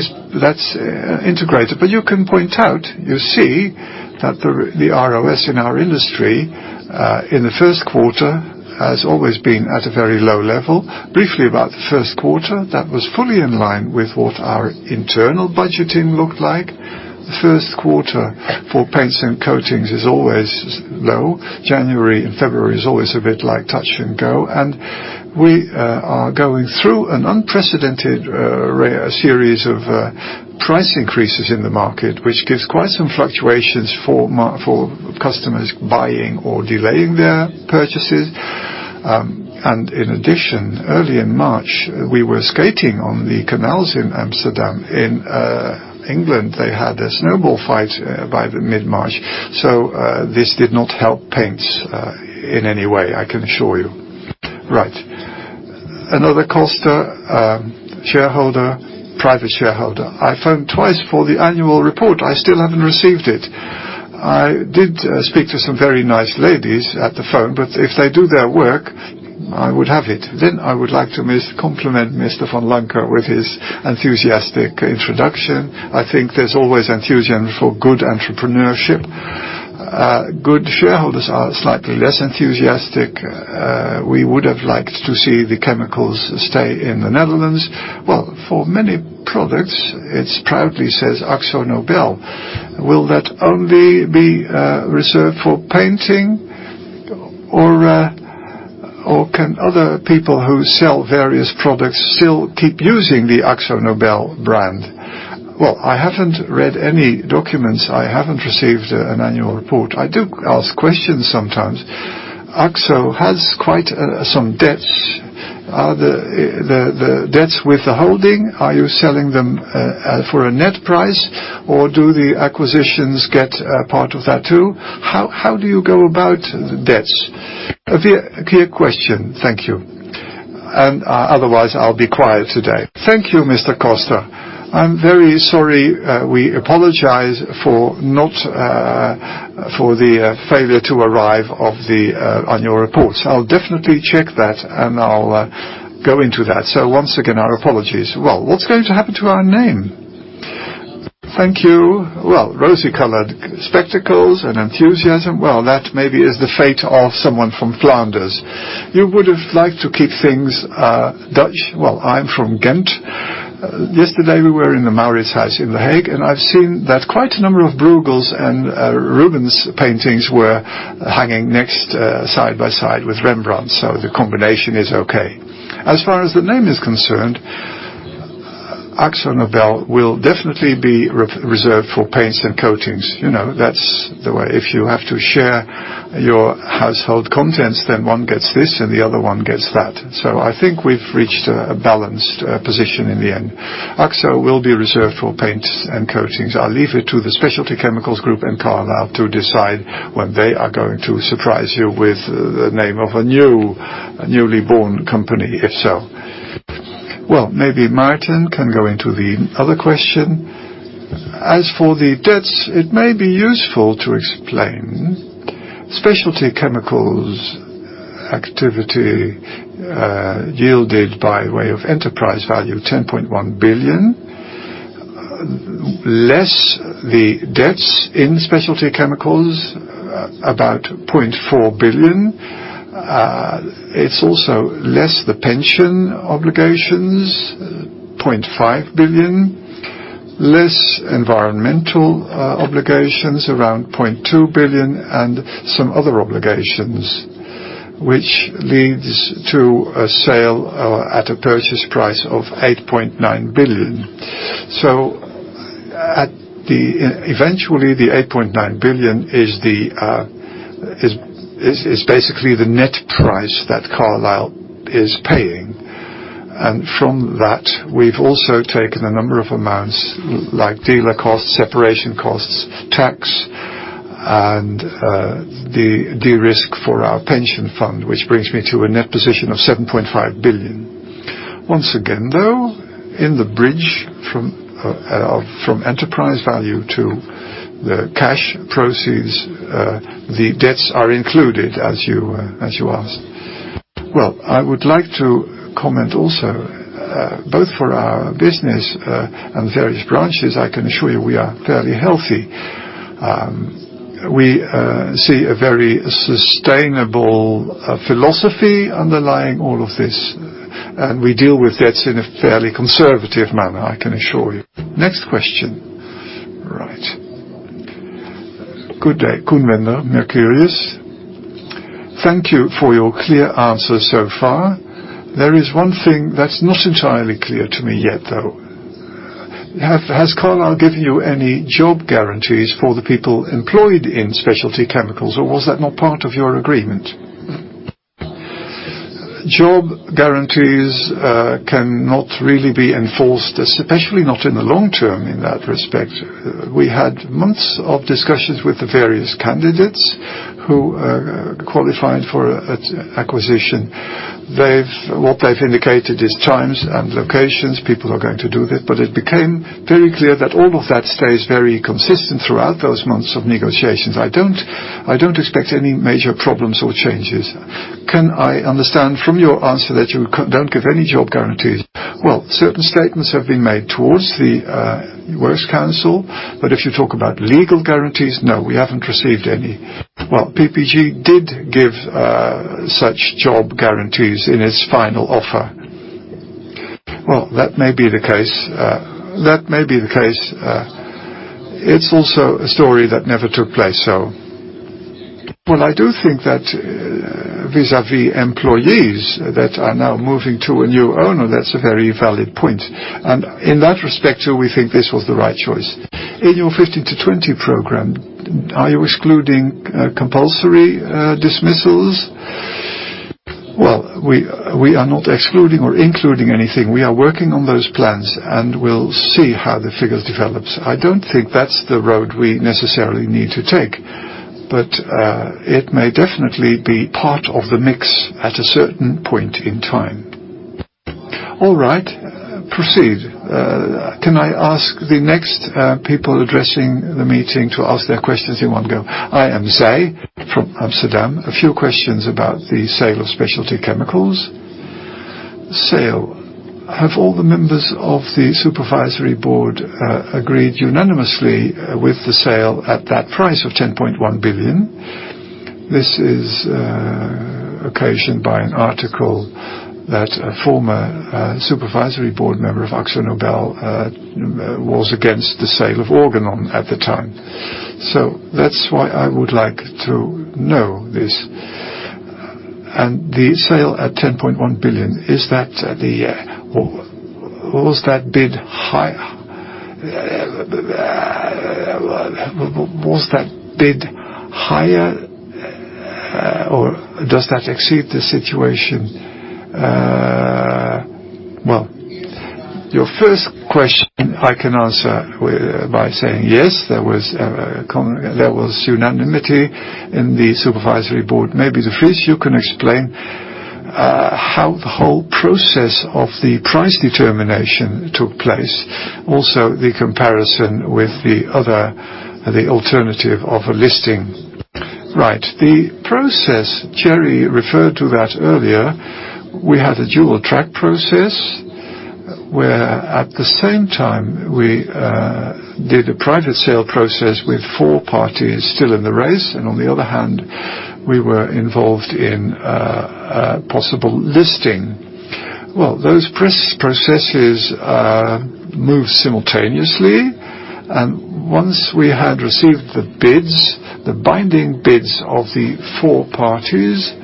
integrated, but you can point out, you see that the ROS in our industry, in the first quarter, has always been at a very low level. Briefly about the first quarter, that was fully in line with what our internal budgeting looked like. The first quarter for paints and coatings is always low. January and February is always a bit like touch and go. We are going through an unprecedented, rare series of price increases in the market, which gives quite some fluctuations for customers buying or delaying their purchases. In addition, early in March, we were skating on the canals in Amsterdam. In England, they had a snowball fight by the mid-March. This did not help paints in any way, I can assure you. Right. Another cost shareholder, private shareholder. I phoned twice for the annual report. I still haven't received it. I did speak to some very nice ladies at the phone, but if they do their work, I would have it. I would like to compliment Mr. Vanlancker with his enthusiastic introduction. I think there's always enthusiasm for good entrepreneurship. Good shareholders are slightly less enthusiastic. We would have liked to see the chemicals stay in the Netherlands. For many products, it proudly says Akzo Nobel. Will that only be reserved for painting, or can other people who sell various products still keep using the Akzo Nobel brand? I haven't read any documents. I haven't received an annual report. I do ask questions sometimes. Akzo has quite some debts. Are the debts with the holding? Are you selling them for a net price, or do the acquisitions get a part of that, too? How do you go about debts? A clear question. Thank you. Otherwise, I'll be quiet today. Thank you, Mr. Koster. I'm very sorry. We apologize for the failure to arrive of the annual reports. I'll definitely check that, and I'll go into that. Once again, our apologies. What's going to happen to our name? Thank you. Rosy-colored spectacles and enthusiasm. That maybe is the fate of someone from Flanders. You would have liked to keep things Dutch. I'm from Ghent. Yesterday, we were in the Mauritshuis in The Hague, and I've seen that quite a number of Bruegel's and Rubens' paintings were hanging side by side with Rembrandt. The combination is okay. As far as the name is concerned, Akzo Nobel will definitely be reserved for paints and coatings. That's the way. If you have to share your household contents, then one gets this and the other one gets that. I think we've reached a balanced position in the end. Akzo will be reserved for paints and coatings. I'll leave it to the Specialty Chemicals group and Carlyle to decide when they are going to surprise you with the name of a newly born company, if so. Maybe Maarten can go into the other question. As for the debts, it may be useful to explain. Specialty Chemicals activity yielded by way of enterprise value 10.1 billion. Less the debts in Specialty Chemicals, about 0.4 billion. It's also less the pension obligations, 0.5 billion. Less environmental obligations, around 0.2 billion. Some other obligations, which leads to a sale at a purchase price of 8.9 billion. Eventually, the 8.9 billion is basically the net price that Carlyle is paying. From that, we've also taken a number of amounts like dealer costs, separation costs, tax, and the derisk for our pension fund, which brings me to a net position of 7.5 billion. Once again, though, in the bridge from enterprise value to the cash proceeds, the debts are included as you asked. I would like to comment also, both for our business and various branches, I can assure you we are fairly healthy. We see a very sustainable philosophy underlying all of this, and we deal with debts in a fairly conservative manner, I can assure you. Next question. Right. Good day, Koen Bender, Mercurius. Thank you for your clear answers so far. There is one thing that's not entirely clear to me yet, though. Has Carlyle given you any job guarantees for the people employed in Specialty Chemicals, or was that not part of your agreement? Job guarantees cannot really be enforced, especially not in the long term in that respect. We had months of discussions with the various candidates who qualified for acquisition. What they've indicated is times and locations, people are going to do this. It became very clear that all of that stays very consistent throughout those months of negotiations. I don't expect any major problems or changes. Can I understand from your answer that you don't give any job guarantees? Certain statements have been made towards the works council, but if you talk about legal guarantees, no, we haven't received any. PPG did give such job guarantees in its final offer. That may be the case. It's also a story that never took place. I do think that vis-à-vis employees that are now moving to a new owner, that's a very valid point. In that respect, too, we think this was the right choice. In your 15 to 20 program, are you excluding compulsory dismissals? We are not excluding or including anything. We are working on those plans, and we'll see how the figures develops. I don't think that's the road we necessarily need to take, but it may definitely be part of the mix at a certain point in time. All right. Proceed. Can I ask the next people addressing the meeting to ask their questions in one go? I am Zay from Amsterdam. A few questions about the sale of Specialty Chemicals. Sale. Have all the members of the supervisory board agreed unanimously with the sale at that price of 10.1 billion? This is occasioned by an article that a former supervisory board member of Akzo Nobel was against the sale of Organon at the time. That's why I would like to know this. And the sale at 10.1 billion, was that bid higher, or does that exceed the situation? Your first question I can answer by saying yes, there was unanimity in the supervisory board. Maybe, De Vries, you can explain how the whole process of the price determination took place, also the comparison with the alternative of a listing. Right. The process, Thierry referred to that earlier. We had a dual track process where at the same time we did a private sale process with four parties still in the race, and on the other hand, we were involved in a possible listing. Those processes move simultaneously, and once we had received the bids, the binding bids of the four parties,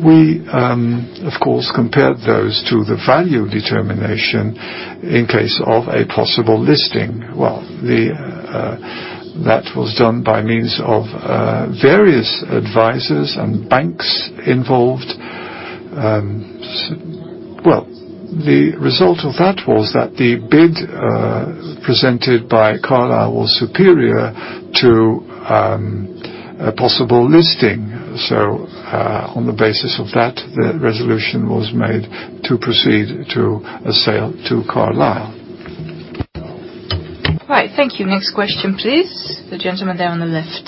we of course compared those to the value determination in case of a possible listing. That was done by means of various advisors and banks involved. The result of that was that the bid presented by Carlyle was superior to a possible listing. On the basis of that, the resolution was made to proceed to a sale to Carlyle. Right. Thank you. Next question, please. The gentleman there on the left.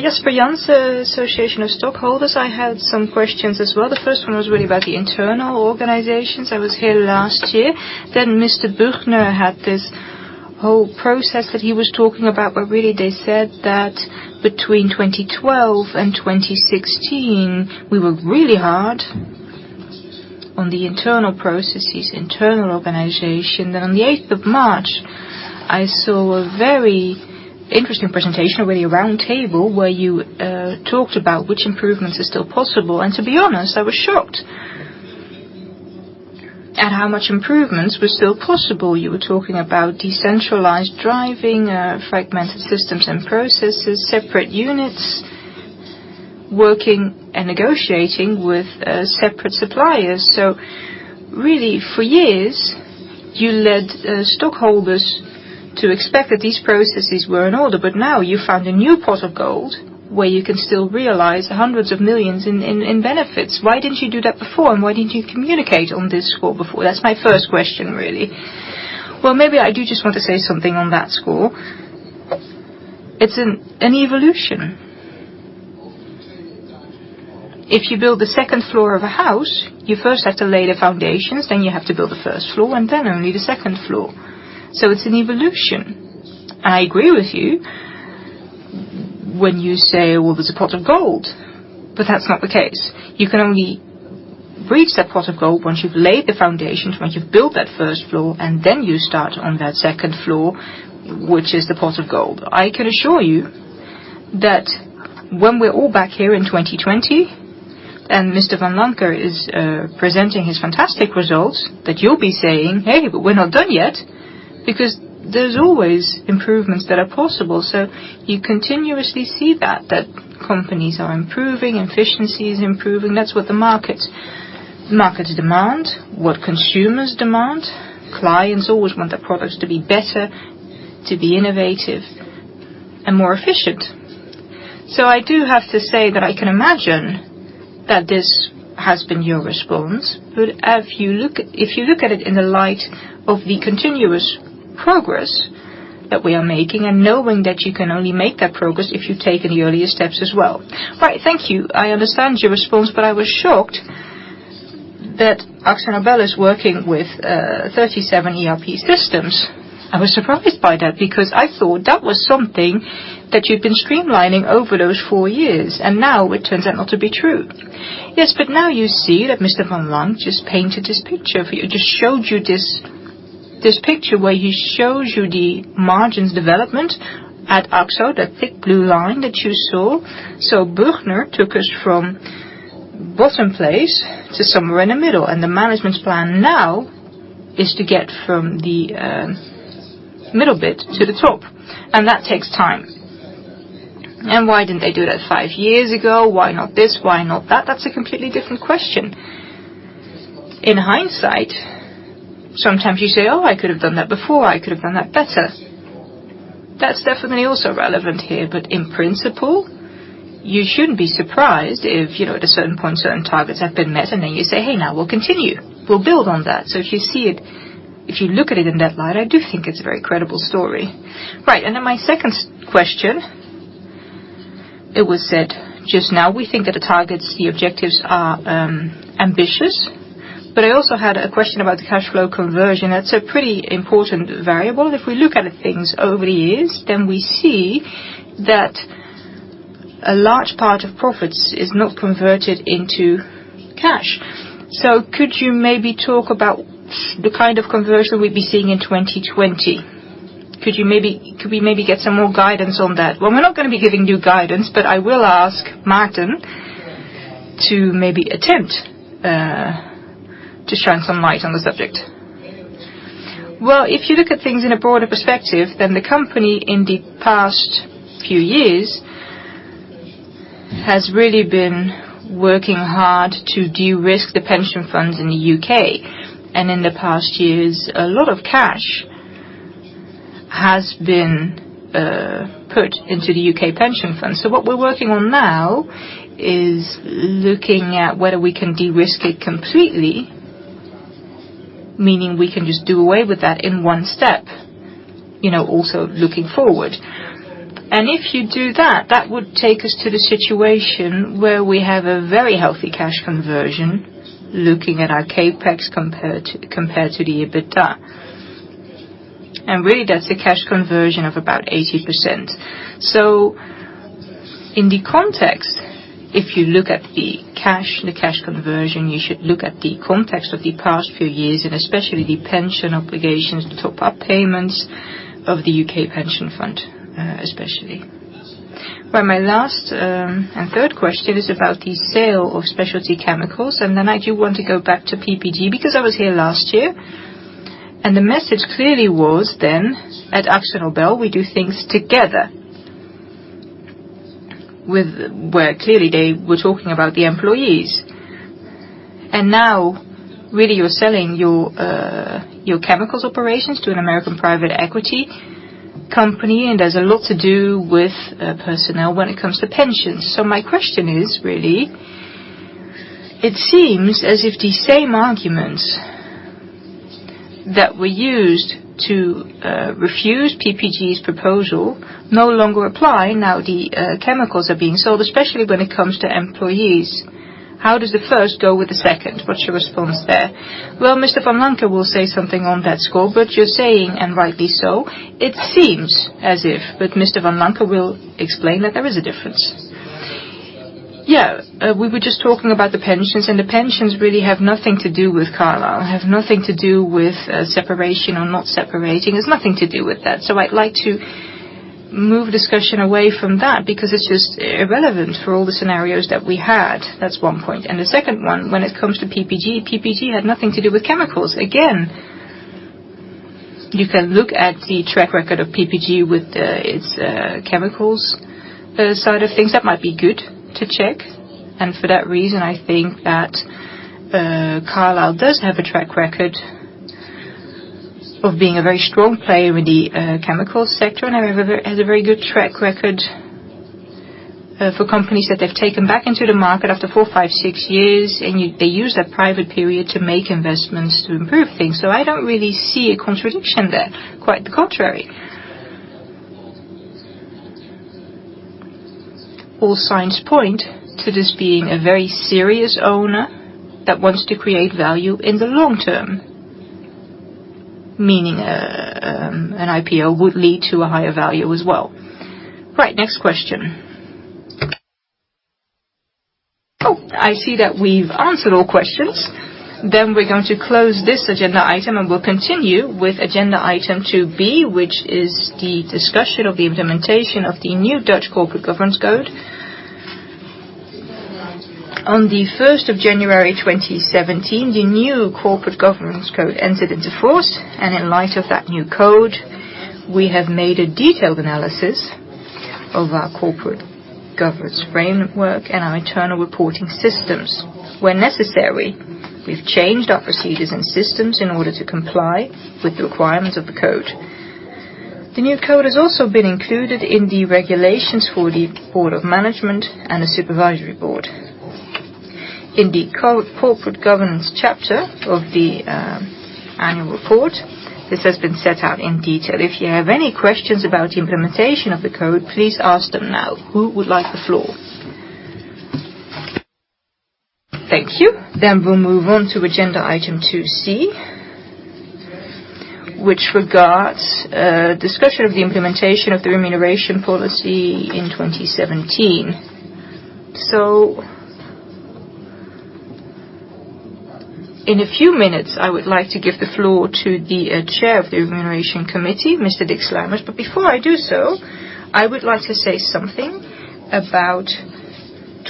Jasper Jansz, Association of Stockholders. I had some questions as well. The first one was really about the internal organizations. I was here last year. Mr. Büchner had this whole process that he was talking about where really they said that between 2012 and 2016, we were really hard on the internal processes, internal organization. On the 8th of March, I saw a very interesting presentation, really a round table, where you talked about which improvements are still possible. To be honest, I was shocked at how much improvements were still possible. You were talking about decentralized driving, fragmented systems and processes, separate units working and negotiating with separate suppliers. Really for years, you led stockholders to expect that these processes were in order. Now you found a new pot of gold where you can still realize hundreds of millions EUR in benefits. Why didn't you do that before, and why didn't you communicate on this score before? That's my first question, really. Maybe I do just want to say something on that score. It's an evolution. If you build a second floor of a house, you first have to lay the foundations, then you have to build the first floor, and then only the second floor. It's an evolution. I agree with you when you say, "There's a pot of gold," that's not the case. You can only reach that pot of gold once you've laid the foundations, once you've built that first floor, and then you start on that second floor, which is the pot of gold. I can assure you that when we're all back here in 2020 and Mr. VanLancker is presenting his fantastic results, that you'll be saying, "Hey, we're not done yet." Because there's always improvements that are possible. You continuously see that companies are improving, efficiency is improving. That's what the market Market demand, what consumers demand, clients always want the products to be better, to be innovative and more efficient. I do have to say that I can imagine that this has been your response. If you look at it in the light of the continuous progress that we are making and knowing that you can only make that progress if you've taken the earlier steps as well. Right. Thank you. I understand your response, I was shocked that Akzo Nobel is working with 37 ERP systems. I was surprised by that because I thought that was something that you've been streamlining over those four years, and now it turns out not to be true. Now you see that Mr. Van Lancker just painted this picture for you, just showed you this picture where he shows you the margins development at Akzo, that thick blue line that you saw. Büchner took us from bottom place to somewhere in the middle, and the management's plan now is to get from the middle bit to the top, and that takes time. Why didn't they do that five years ago? Why not this, why not that? That's a completely different question. In hindsight, sometimes you say, "Oh, I could have done that before. I could have done that better." That's definitely also relevant here, in principle, you shouldn't be surprised if at a certain point, certain targets have been met, and then you say, "Hey, now we'll continue. We'll build on that." If you look at it in that light, I do think it's a very credible story. My second question, it was said just now, we think that the targets, the objectives are ambitious. I also had a question about the cash flow conversion. That's a pretty important variable. If we look at things over the years, then we see that a large part of profits is not converted into cash. Could you maybe talk about the kind of conversion we'd be seeing in 2020? Could we maybe get some more guidance on that? We're not going to be giving new guidance, but I will ask Maarten to maybe attempt to shine some light on the subject. If you look at things in a broader perspective, then the company in the past few years has really been working hard to de-risk the pension funds in the U.K. In the past years, a lot of cash has been put into the U.K. pension fund. What we're working on now is looking at whether we can de-risk it completely, meaning we can just do away with that in one step, also looking forward. If you do that would take us to the situation where we have a very healthy cash conversion, looking at our CapEx compared to the EBITDA. Really, that's a cash conversion of about 80%. In the context, if you look at the cash conversion, you should look at the context of the past few years and especially the pension obligations, the top-up payments of the U.K. pension fund, especially. My last and third question is about the sale of Specialty Chemicals. I do want to go back to PPG because I was here last year and the message clearly was then at Akzo Nobel, we do things together. Clearly they were talking about the employees. Now really you're selling your chemicals operations to an American private equity company, and there's a lot to do with personnel when it comes to pensions. My question is really, it seems as if the same arguments that were used to refuse PPG's proposal no longer apply now the chemicals are being sold, especially when it comes to employees. How does the first go with the second? What's your response there? Mr. Vanlancker will say something on that score, but you're saying, and rightly so, it seems as if. Mr. Vanlancker will explain that there is a difference. We were just talking about the pensions, and the pensions really have nothing to do with Carlyle, have nothing to do with separation or not separating, has nothing to do with that. I'd like to move discussion away from that because it's just irrelevant for all the scenarios that we had. That's one point. The second one, when it comes to PPG had nothing to do with chemicals. You can look at the track record of PPG with its chemicals side of things. That might be good to check. For that reason, I think that Carlyle does have a track record of being a very strong player in the chemicals sector and has a very good track record for companies that they've taken back into the market after four, five, six years, and they use that private period to make investments to improve things. I don't really see a contradiction there. Quite the contrary. All signs point to this being a very serious owner that wants to create value in the long term, meaning an IPO would lead to a higher value as well. Right, next question. I see that we've answered all questions. We're going to close this agenda item, and we'll continue with agenda item 2B, which is the discussion of the implementation of the new Dutch Corporate Governance Code. On the 1st of January 2017, the new Corporate Governance Code entered into force, in light of that new code, we have made a detailed analysis of our Corporate Governance framework and our internal reporting systems. Where necessary, we've changed our procedures and systems in order to comply with the requirements of the code. The new code has also been included in the regulations for the Board of Management and the Supervisory Board. In the Corporate Governance chapter of the annual report, this has been set out in detail. If you have any questions about implementation of the code, please ask them now. Who would like the floor? Thank you. We'll move on to agenda item 2C, which regards discussion of the implementation of the remuneration policy in 2017. In a few minutes, I would like to give the floor to the Chair of the Remuneration Committee, Mr. Dick Sluimers. Before I do so, I would like to say something about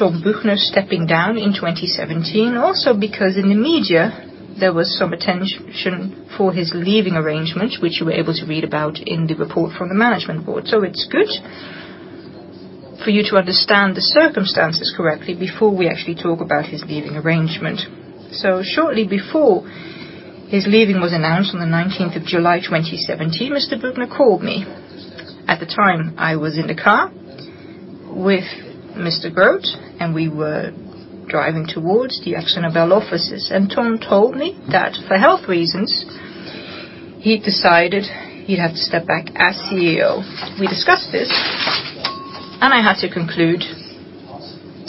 Ton Büchner stepping down in 2017. Also, because in the media, there was some attention for his leaving arrangements, which you were able to read about in the report from the Management Board. It's good for you to understand the circumstances correctly before we actually talk about his leaving arrangement. Shortly before his leaving was announced on the 19th of July 2017, Mr. Büchner called me. At the time, I was in the car with Mr. Grote, we were driving towards the Akzo Nobel offices, Ton told me that for health reasons, he'd decided he'd have to step back as CEO. We discussed this, I had to conclude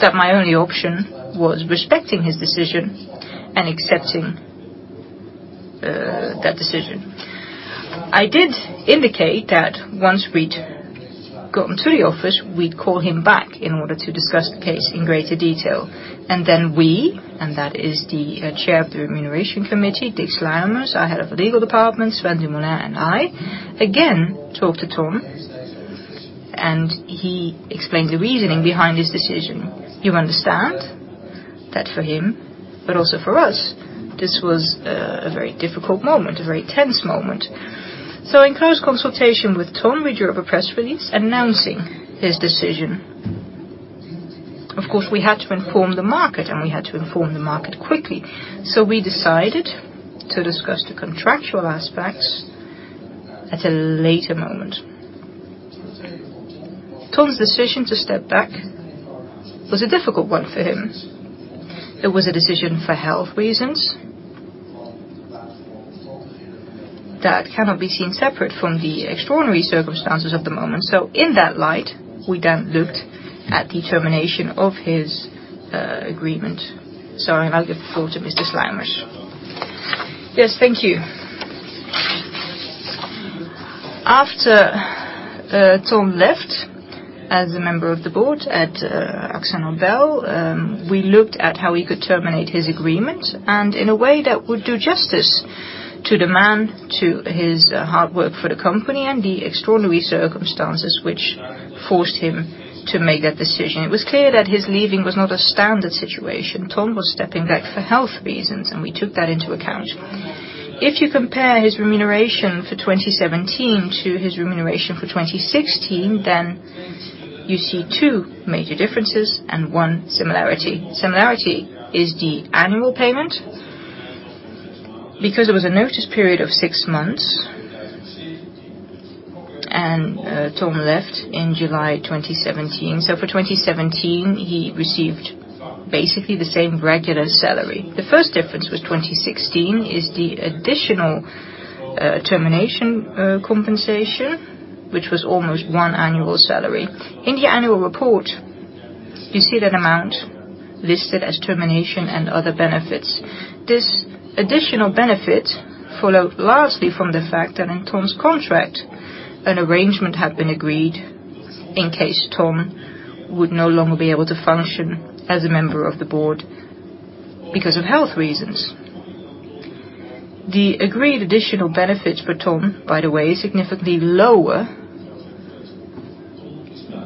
that my only option was respecting his decision and accepting that decision. I did indicate that once we'd gotten to the office, we'd call him back in order to discuss the case in greater detail. Then we, and that is the Chair of the Remuneration Committee, Dick Sluimers, our head of the legal department, Sven Dumoulin, and I, again, talked to Ton, he explained the reasoning behind his decision. You understand that for him, but also for us, this was a very difficult moment, a very tense moment. In close consultation with Ton, we drew up a press release announcing his decision. Of course, we had to inform the market, we had to inform the market quickly. We decided to discuss the contractual aspects at a later moment. Ton's decision to step back was a difficult one for him. It was a decision for health reasons that cannot be seen separate from the extraordinary circumstances of the moment. In that light, we then looked at the termination of his agreement. I now give the floor to Mr. Sluimers. Yes, thank you. After Ton left as a member of the board at Akzo Nobel, we looked at how we could terminate his agreement, and in a way that would do justice to the man, to his hard work for the company, and the extraordinary circumstances which forced him to make that decision. It was clear that his leaving was not a standard situation. Ton was stepping back for health reasons, and we took that into account. If you compare his remuneration for 2017 to his remuneration for 2016, then you see two major differences and one similarity. Similarity is the annual payment, because there was a notice period of six months, and Ton left in July 2017. For 2017, he received basically the same regular salary. The first difference with 2016 is the additional termination compensation, which was almost one annual salary. In the annual report, you see that amount listed as termination and other benefits. This additional benefit followed lastly from the fact that in Ton's contract, an arrangement had been agreed in case Ton would no longer be able to function as a member of the board because of health reasons. The agreed additional benefits for Ton, by the way, is significantly lower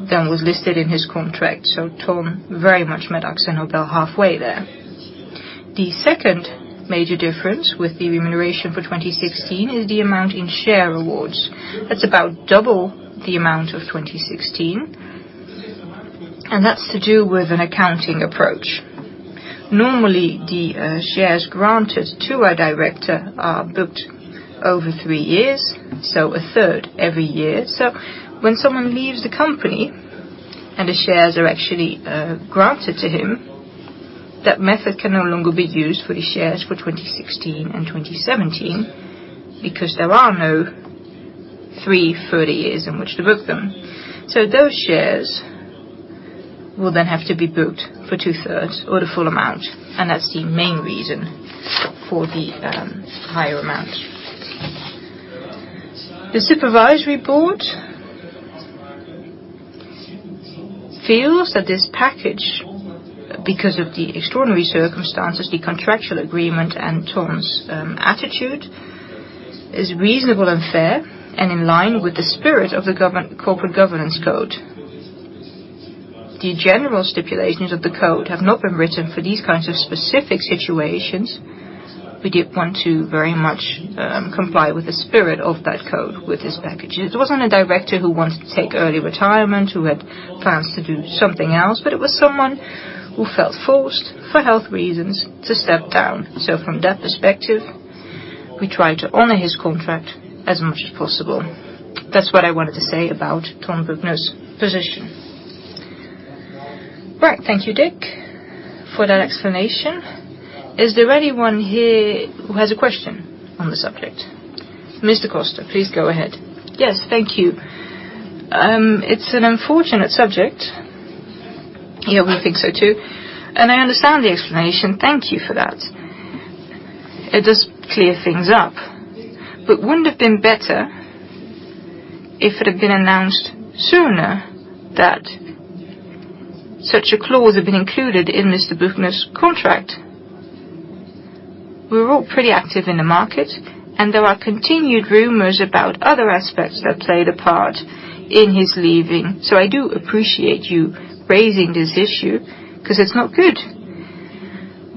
than was listed in his contract. Ton very much met Akzo Nobel halfway there. The second major difference with the remuneration for 2016 is the amount in share awards. That's about double the amount of 2016, and that's to do with an accounting approach. Normally, the shares granted to a director are booked over three years, a third every year. When someone leaves the company and the shares are actually granted to him, that method can no longer be used for the shares for 2016 and 2017 because there are no three further years in which to book them. Those shares will then have to be booked for two thirds or the full amount, and that's the main reason for the higher amount. The supervisory board feels that this package, because of the extraordinary circumstances, the contractual agreement, and Ton's attitude, is reasonable and fair and in line with the spirit of the Corporate Governance Code. The general stipulations of the code have not been written for these kinds of specific situations. We did want to very much comply with the spirit of that code with this package. It wasn't a director who wanted to take early retirement, who had plans to do something else, but it was someone who felt forced for health reasons to step down. From that perspective, we tried to honor his contract as much as possible. That's what I wanted to say about Ton Büchner's position. Right. Thank you, Dick, for that explanation. Is there anyone here who has a question on the subject? Mr. Koster, please go ahead. Yes. Thank you. It's an unfortunate subject. Yeah, we think so too. I understand the explanation, thank you for that. It does clear things up. Wouldn't it have been better if it had been announced sooner that such a clause had been included in Mr. Büchner's contract? We're all pretty active in the market, and there are continued rumors about other aspects that played a part in his leaving. I do appreciate you raising this issue, because it's not good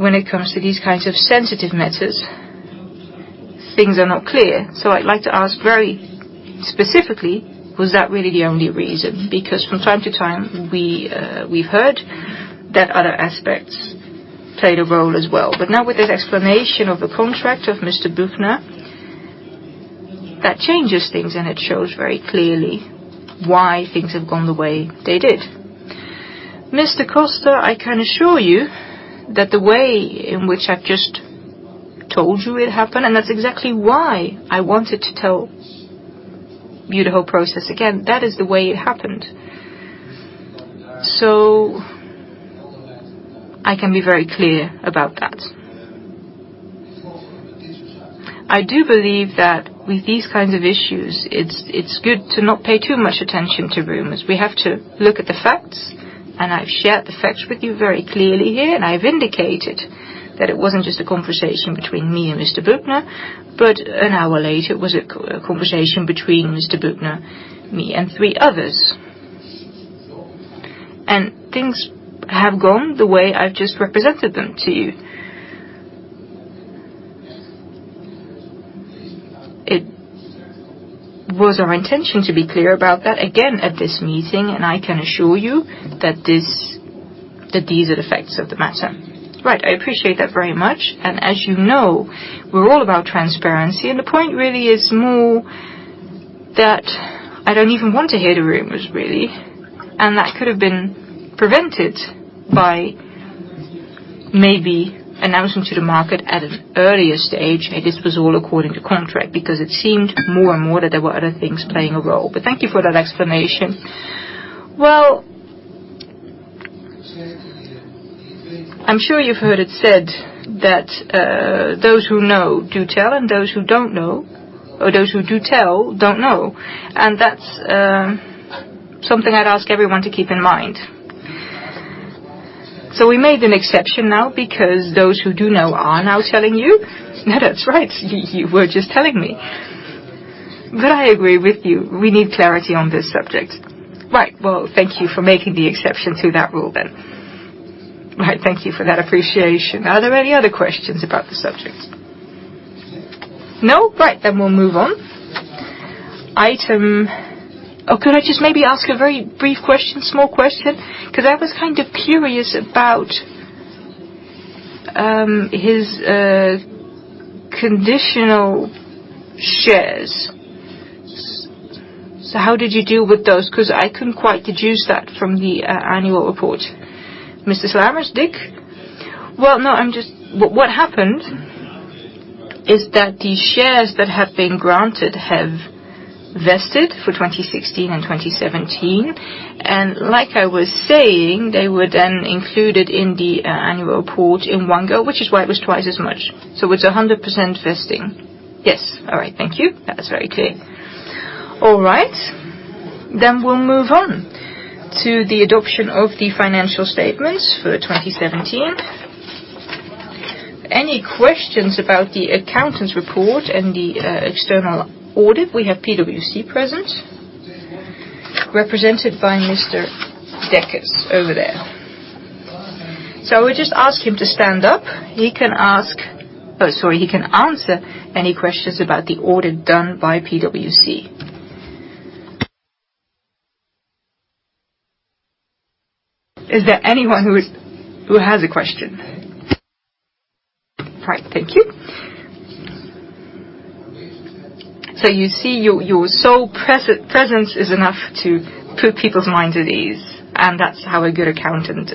when it comes to these kinds of sensitive matters, things are not clear. I'd like to ask very specifically, was that really the only reason? Because from time to time we've heard that other aspects played a role as well. Now with this explanation of the contract of Mr. Büchner, that changes things and it shows very clearly why things have gone the way they did. Mr. Koster, I can assure you that the way in which I've just told you it happened, and that's exactly why I wanted to tell you the whole process again. That is the way it happened. I can be very clear about that. I do believe that with these kinds of issues, it's good to not pay too much attention to rumors. We have to look at the facts, and I've shared the facts with you very clearly here, and I've indicated that it wasn't just a conversation between me and Mr. Büchner, but an hour later, it was a conversation between Mr. Büchner, me, and three others. Things have gone the way I've just represented them to you. It was our intention to be clear about that again at this meeting, and I can assure you that these are the facts of the matter. Right. I appreciate that very much. As you know, we're all about transparency. The point really is more that I don't even want to hear the rumors, really, and that could have been prevented by maybe announcing to the market at an earlier stage that this was all according to contract, because it seemed more and more that there were other things playing a role. Thank you for that explanation. Well, I'm sure you've heard it said that those who know do tell and those who don't know or those who do tell, don't know. That's something I'd ask everyone to keep in mind. We made an exception now because those who do know are now telling you. Yeah, that's right. You were just telling me. I agree with you. We need clarity on this subject. Right. Well, thank you for making the exception to that rule then. Right. Thank you for that appreciation. Are there any other questions about the subject? No? Right, then we'll move on. Could I just maybe ask a very brief question, small question? Because I was kind of curious about his conditional shares. How did you deal with those? Because I couldn't quite deduce that from the annual report. Mr. Sluimers, Dick? Well, what happened is that the shares that have been granted have vested for 2016 and 2017. Like I was saying, they were then included in the annual report in one go, which is why it was twice as much. It's 100% vesting. Yes. All right. Thank you. That's very clear. All right. We'll move on to the adoption of the financial statements for 2017. Any questions about the accountant's report and the external audit? We have PwC present, represented by Mr. Dekkers over there. We'll just ask him to stand up. He can answer any questions about the audit done by PwC. Is there anyone who has a question? Right. Thank you. You see, your sole presence is enough to put people's minds at ease, and that's how a good accountant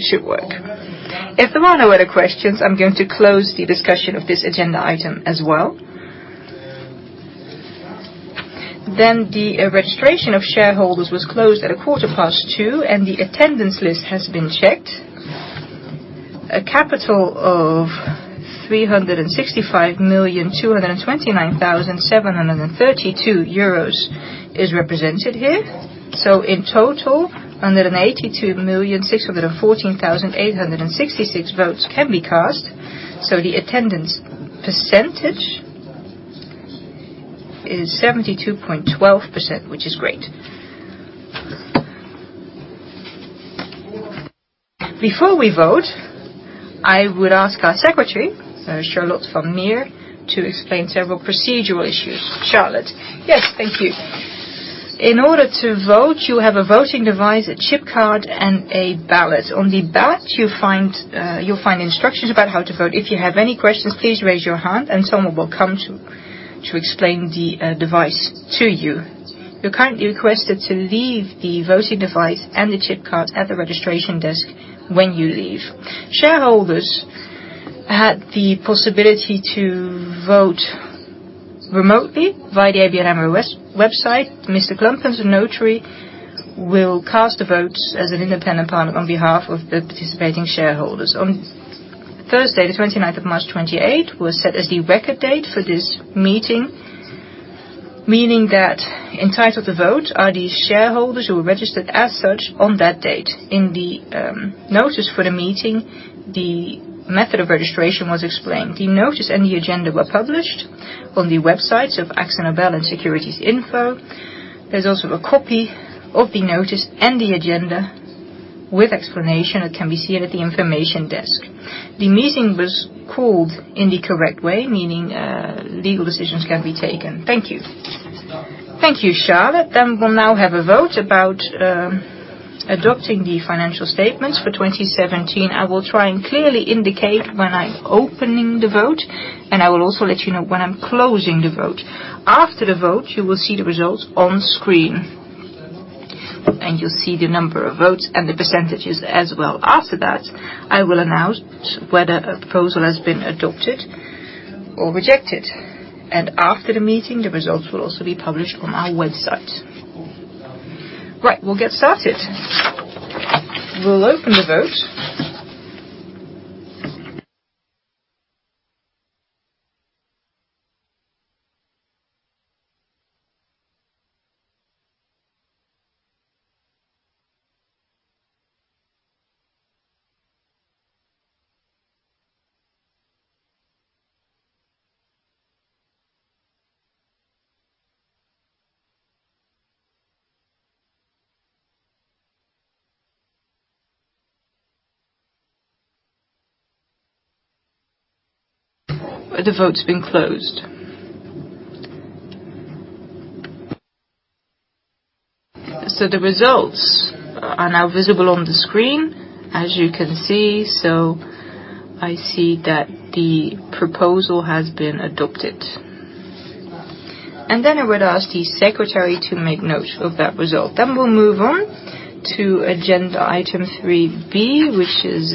should work. If there are no other questions, I'm going to close the discussion of this agenda item as well. The registration of shareholders was closed at a quarter past two, and the attendance list has been checked. A capital of 365,229,732 euros is represented here. In total, 182,614,866 votes can be cast. The attendance percentage is 72.12%, which is great. Before we vote, I would ask our secretary, Charlotte van Meer, to explain several procedural issues. Charlotte? Yes, thank you. In order to vote, you have a voting device, a chip card, and a ballot. On the ballot, you'll find instructions about how to vote. If you have any questions, please raise your hand and someone will come to explain the device to you. You're kindly requested to leave the voting device and the chip card at the registration desk when you leave. Shareholders had the possibility to vote remotely via the ABN AMRO website. Mr. Clumpkens, the notary, will cast the votes as an independent party on behalf of the participating shareholders. Thursday the 29th of March 2018 was set as the record date for this meeting, meaning that entitled to vote are these shareholders who were registered as such on that date. In the notice for the meeting, the method of registration was explained. The notice and the agenda were published on the websites of Akzo Nobel and Securities Info. There's also a copy of the notice and the agenda with explanation that can be seen at the information desk. The meeting was called in the correct way, meaning legal decisions can be taken. Thank you. Thank you, Charlotte. We'll now have a vote about adopting the financial statements for 2017. I will try and clearly indicate when I'm opening the vote, and I will also let you know when I'm closing the vote. After the vote, you will see the results on screen, and you'll see the number of votes and the % as well. After that, I will announce whether a proposal has been adopted or rejected, and after the meeting, the results will also be published on our website. Great, we'll get started. We'll open the vote. The vote's been closed. The results are now visible on the screen, as you can see. I see that the proposal has been adopted. I would ask the secretary to make note of that result. We'll move on to agenda item 3B, which is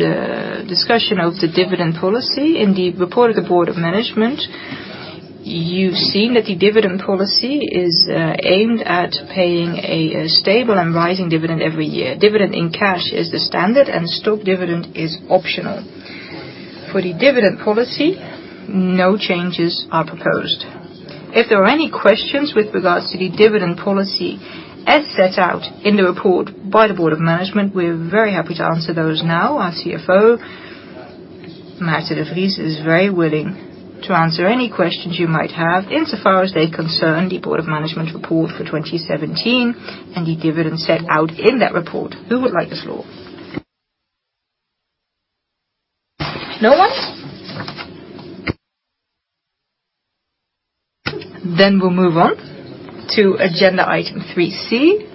discussion of the dividend policy. In the report of the Board of Management, you've seen that the dividend policy is aimed at paying a stable and rising dividend every year. Dividend in cash is the standard, and stock dividend is optional. For the dividend policy, no changes are proposed. If there are any questions with regards to the dividend policy as set out in the report by the Board of Management, we're very happy to answer those now. Our CFO, Maarten de Vries, is very willing to answer any questions you might have insofar as they concern the Board of Management report for 2017 and the dividend set out in that report. Who would like the floor? No one? We'll move on to agenda item 3C,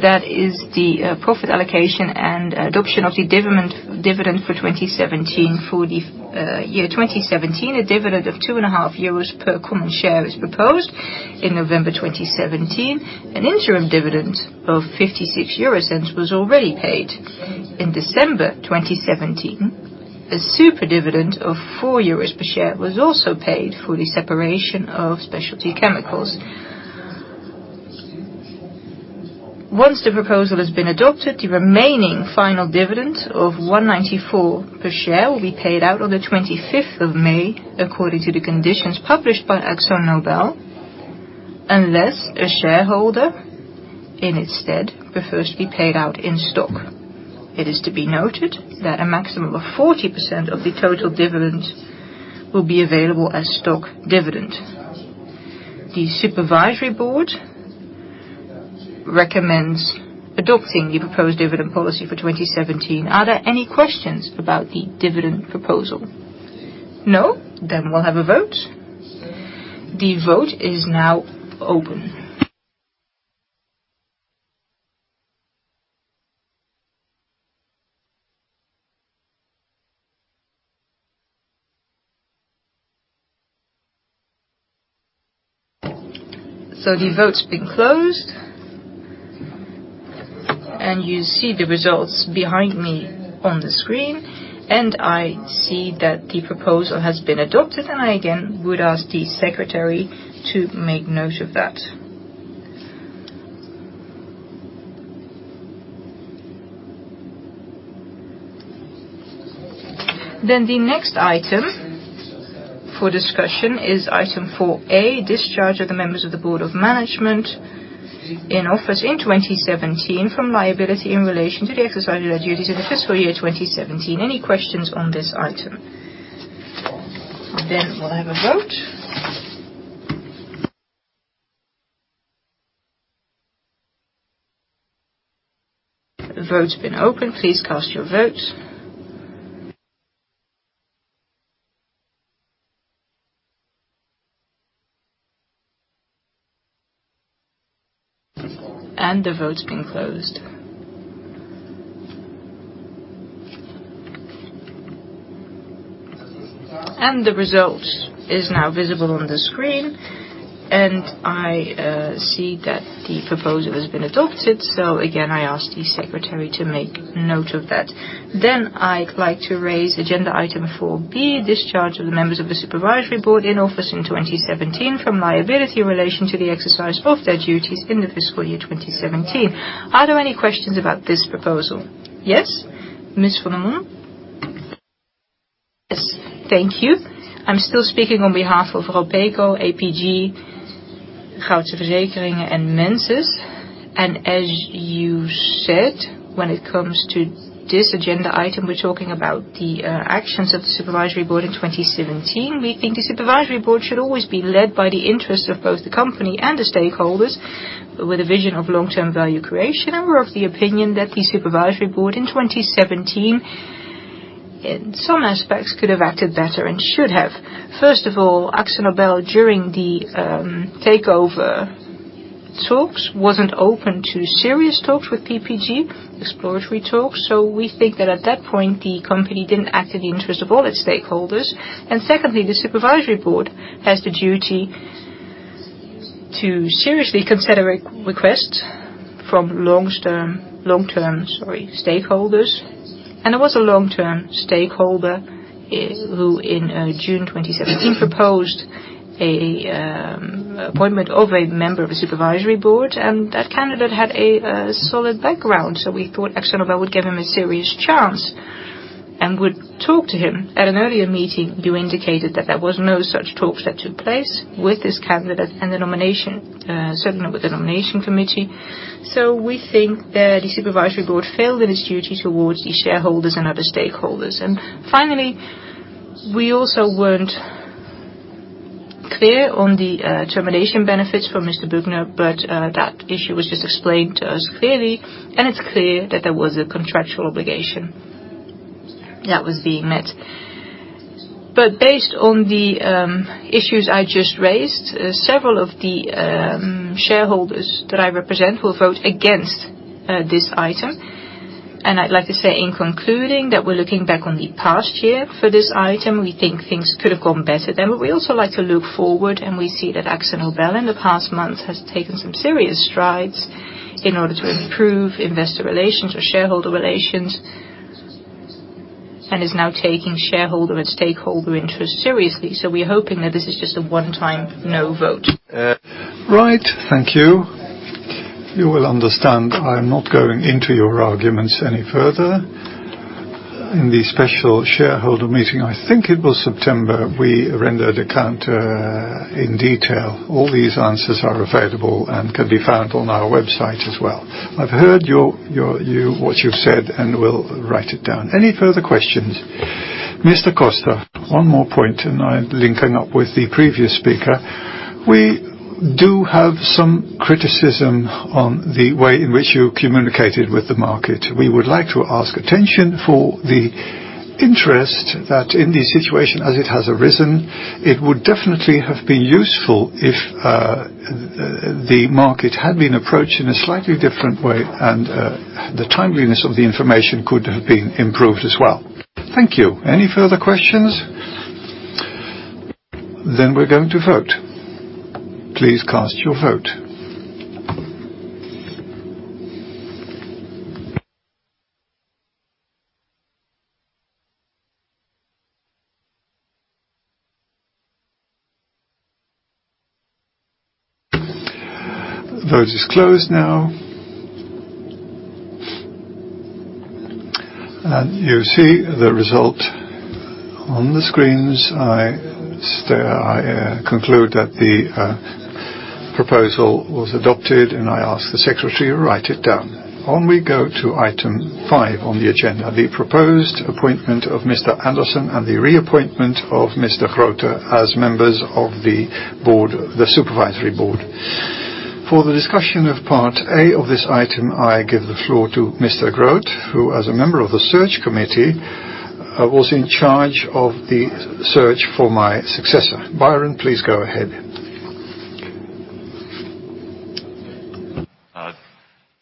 that is the profit allocation and adoption of the dividend for 2017. For the year 2017, a dividend of 2.5 euros per common share is proposed. In November 2017, an interim dividend of 0.56 was already paid. In December 2017, a super dividend of 4 euros per share was also paid for the separation of Specialty Chemicals. Once the proposal has been adopted, the remaining final dividend of 1.94 per share will be paid out on the 25th of May according to the conditions published by Akzo Nobel, unless a shareholder, in its stead, prefers to be paid out in stock. It is to be noted that a maximum of 40% of the total dividend will be available as stock dividend. The Supervisory Board recommends adopting the proposed dividend policy for 2017. Are there any questions about the dividend proposal? No? We'll have a vote. The vote is now open. The vote's been closed, and you see the results behind me on the screen. I see that the proposal has been adopted. I again would ask the secretary to make note of that. The next item for discussion is item 4A, discharge of the members of the Board of Management. In office in 2017 from liability in relation to the exercise of their duties in the fiscal year 2017. Any questions on this item? We'll have a vote. The vote's been opened. Please cast your vote. The vote's been closed. The result is now visible on the screen, and I see that the proposal has been adopted. Again, I ask the secretary to make note of that. I'd like to raise agenda item 4B, discharge of the members of the Supervisory Board in office in 2017 from liability in relation to the exercise of their duties in the fiscal year 2017. Are there any questions about this proposal? Yes, Ms. van de Riet. Yes. Thank you. I'm still speaking on behalf of Robeco, APG, De Goudse Verzekeringen, and Mensis. As you said, when it comes to this agenda item, we're talking about the actions of the Supervisory Board in 2017. We think the Supervisory Board should always be led by the interest of both the company and the stakeholders with a vision of long-term value creation. We're of the opinion that the Supervisory Board in 2017 in some aspects could have acted better and should have. First of all, Akzo Nobel during the takeover talks wasn't open to serious talks with PPG, exploratory talks. We think that at that point, the company didn't act in the interest of all its stakeholders. Secondly, the Supervisory Board has the duty to seriously consider a request from long-term stakeholders. There was a long-term stakeholder who in June 2017 proposed an appointment of a member of the Supervisory Board, and that candidate had a solid background. So we thought AkzoNobel would give him a serious chance and would talk to him. At an earlier meeting, you indicated that there was no such talks that took place with this candidate certainly with the Nomination Committee. So we think that the Supervisory Board failed in its duty towards the shareholders and other stakeholders. Finally, we also weren't clear on the termination benefits for Mr. Büchner, but that issue was just explained to us clearly, and it's clear that there was a contractual obligation that was being met. Based on the issues I just raised, several of the shareholders that I represent will vote against this item. I'd like to say in concluding that we're looking back on the past year for this item. We think things could have gone better then, but we also like to look forward, and we see that AkzoNobel in the past month has taken some serious strides in order to improve investor relations or shareholder relations and is now taking shareholder and stakeholder interest seriously. So we're hoping that this is just a one-time no vote. Right. Thank you. You will understand I'm not going into your arguments any further. In the special shareholder meeting, I think it was September, we rendered account in detail. All these answers are available and can be found on our website as well. I've heard what you've said, and will write it down. Any further questions? Mr. Koster. One more point, and I'm linking up with the previous speaker. We do have some criticism on the way in which you communicated with the market. We would like to ask attention for the interest that in the situation as it has arisen, it would definitely have been useful if the market had been approached in a slightly different way and the timeliness of the information could have been improved as well. Thank you. Any further questions? We're going to vote. Please cast your vote. Vote is closed now. You see the result on the screens. I conclude that the proposal was adopted, and I ask the secretary to write it down. On we go to item five on the agenda, the proposed appointment of Mr. Andersen and the reappointment of Mr. Grote as members of the Supervisory Board. For the discussion of part A of this item, I give the floor to Mr. Grote, who as a member of the Search Committee, was in charge of the search for my successor. Byron, please go ahead.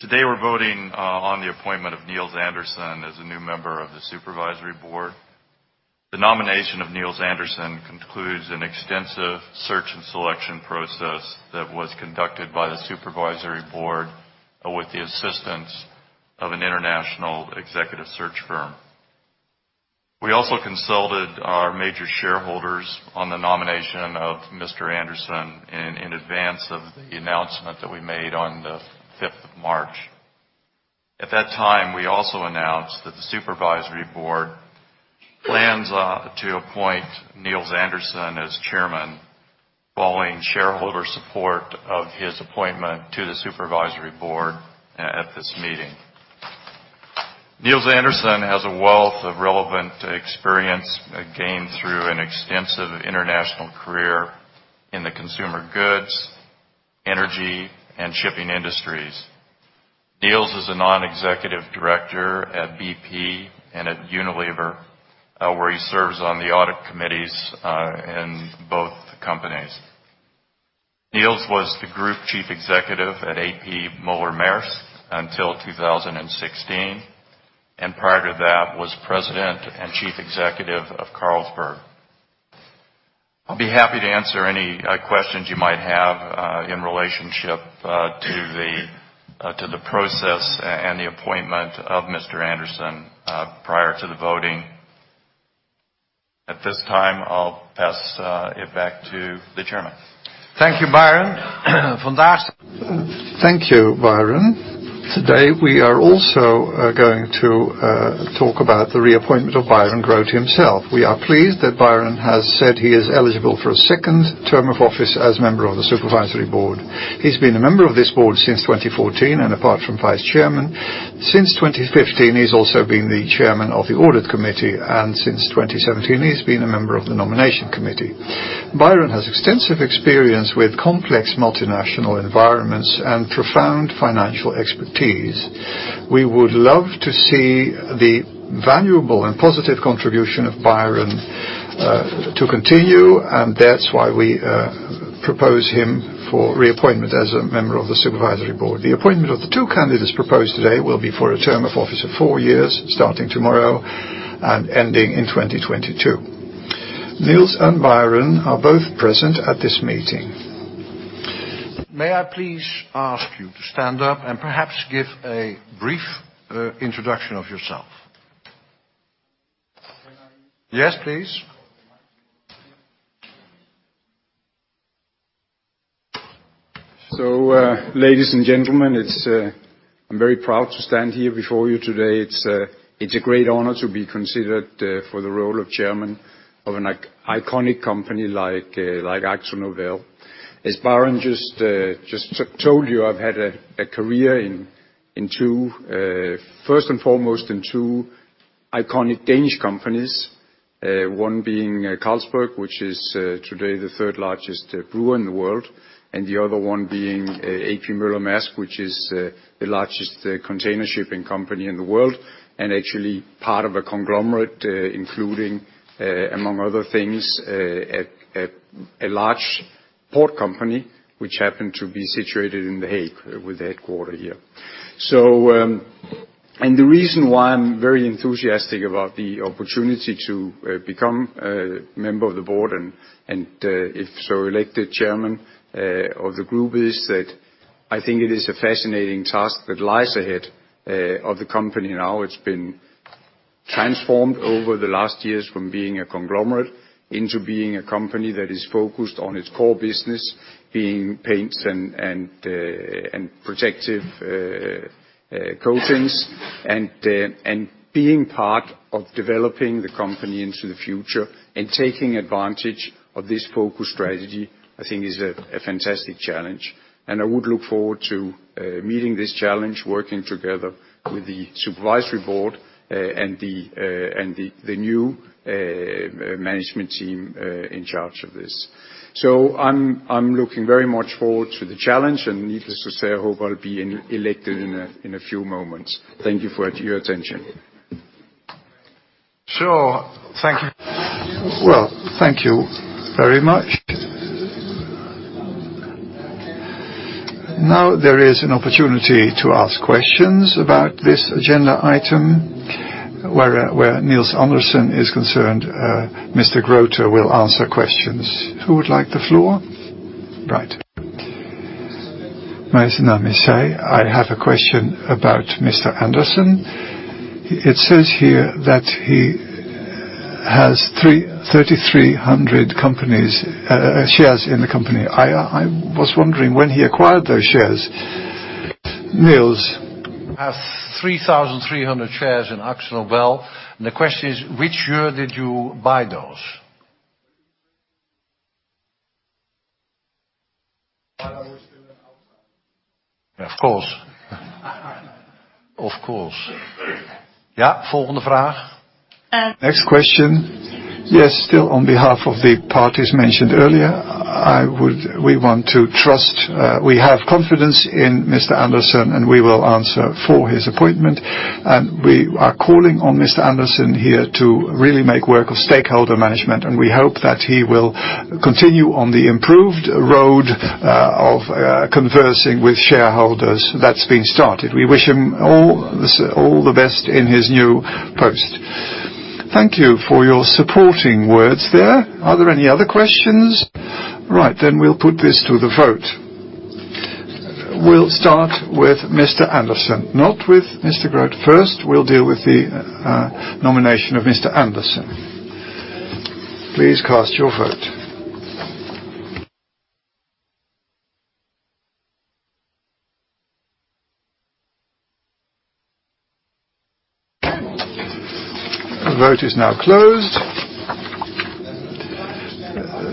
Today, we're voting on the appointment of Nils Andersen as a new member of the supervisory board. The nomination of Nils Andersen concludes an extensive search and selection process that was conducted by the supervisory board with the assistance of an international executive search firm. We also consulted our major shareholders on the nomination of Mr. Andersen in advance of the announcement that we made on the 5th of March. At that time, we also announced that the supervisory board plans to appoint Nils Andersen as chairman following shareholder support of his appointment to the supervisory board at this meeting. Nils Andersen has a wealth of relevant experience gained through an extensive international career in the consumer goods, energy, and shipping industries. Nils is a non-executive director at BP and at Unilever, where he serves on the audit committees in both companies. Nils was the group chief executive at A.P. Møller - Mærsk until 2016, and prior to that was president and chief executive of Carlsberg. I'll be happy to answer any questions you might have in relationship to the process and the appointment of Mr. Andersen prior to the voting. At this time, I'll pass it back to the chairman. Thank you, Byron. Thank you, Byron. Today, we are also going to talk about the reappointment of Byron Grote himself. We are pleased that Byron has said he is eligible for a second term of office as member of the supervisory board. He's been a member of this board since 2014, and apart from vice chairman, since 2015, he's also been the chairman of the audit committee, and since 2017, he's been a member of the nomination committee. Byron has extensive experience with complex multinational environments and profound financial expertise. We would love to see the valuable and positive contribution of Byron to continue, and that's why we propose him for reappointment as a member of the supervisory board. The appointment of the two candidates proposed today will be for a term of office of four years, starting tomorrow and ending in 2022. Nils and Byron are both present at this meeting. May I please ask you to stand up and perhaps give a brief introduction of yourself? Yes, please. Ladies and gentlemen, I'm very proud to stand here before you today. It's a great honor to be considered for the role of chairman of an iconic company like Akzo Nobel. As Byron just told you, I've had a career, first and foremost, in two iconic Danish companies. One being Carlsberg, which is today the third largest brewer in the world, and the other one being A.P. Møller - Mærsk, which is the largest container shipping company in the world, and actually part of a conglomerate including, among other things, a large port company, which happened to be situated in The Hague, with the headquarter here. The reason why I'm very enthusiastic about the opportunity to become a member of the board, and if so, elected chairman of the group, is that I think it is a fascinating task that lies ahead of the company now. It's been transformed over the last years from being a conglomerate into being a company that is focused on its core business, being paints and protective coatings. Being part of developing the company into the future and taking advantage of this focused strategy, I think is a fantastic challenge, and I would look forward to meeting this challenge, working together with the supervisory board, and the new management team in charge of this. I'm looking very much forward to the challenge, and needless to say, I hope I'll be elected in a few moments. Thank you for your attention. Thank you. Well, thank you very much. Now there is an opportunity to ask questions about this agenda item. Where Nils Andersen is concerned, Mr. Grote will answer questions. Who would like the floor? Right. I have a question about Mr. Andersen. It says here that he has 3,300 shares in the company. I was wondering when he acquired those shares. Nils, you have 3,300 shares in Akzo Nobel, and the question is, which year did you buy those? While I was still an outsider. Of course. Of course. Next question. Yes, still on behalf of the parties mentioned earlier, we have confidence in Mr. Andersen, and we will answer for his appointment. We are calling on Mr. Andersen here to really make work of stakeholder management, and we hope that he will continue on the improved road of conversing with shareholders that has been started. We wish him all the best in his new post. Thank you for your supporting words there. Are there any other questions? Right, we will put this to the vote. We will start with Mr. Andersen, not with Mr. Grote first. We will deal with the nomination of Mr. Andersen. Please cast your vote. The vote is now closed.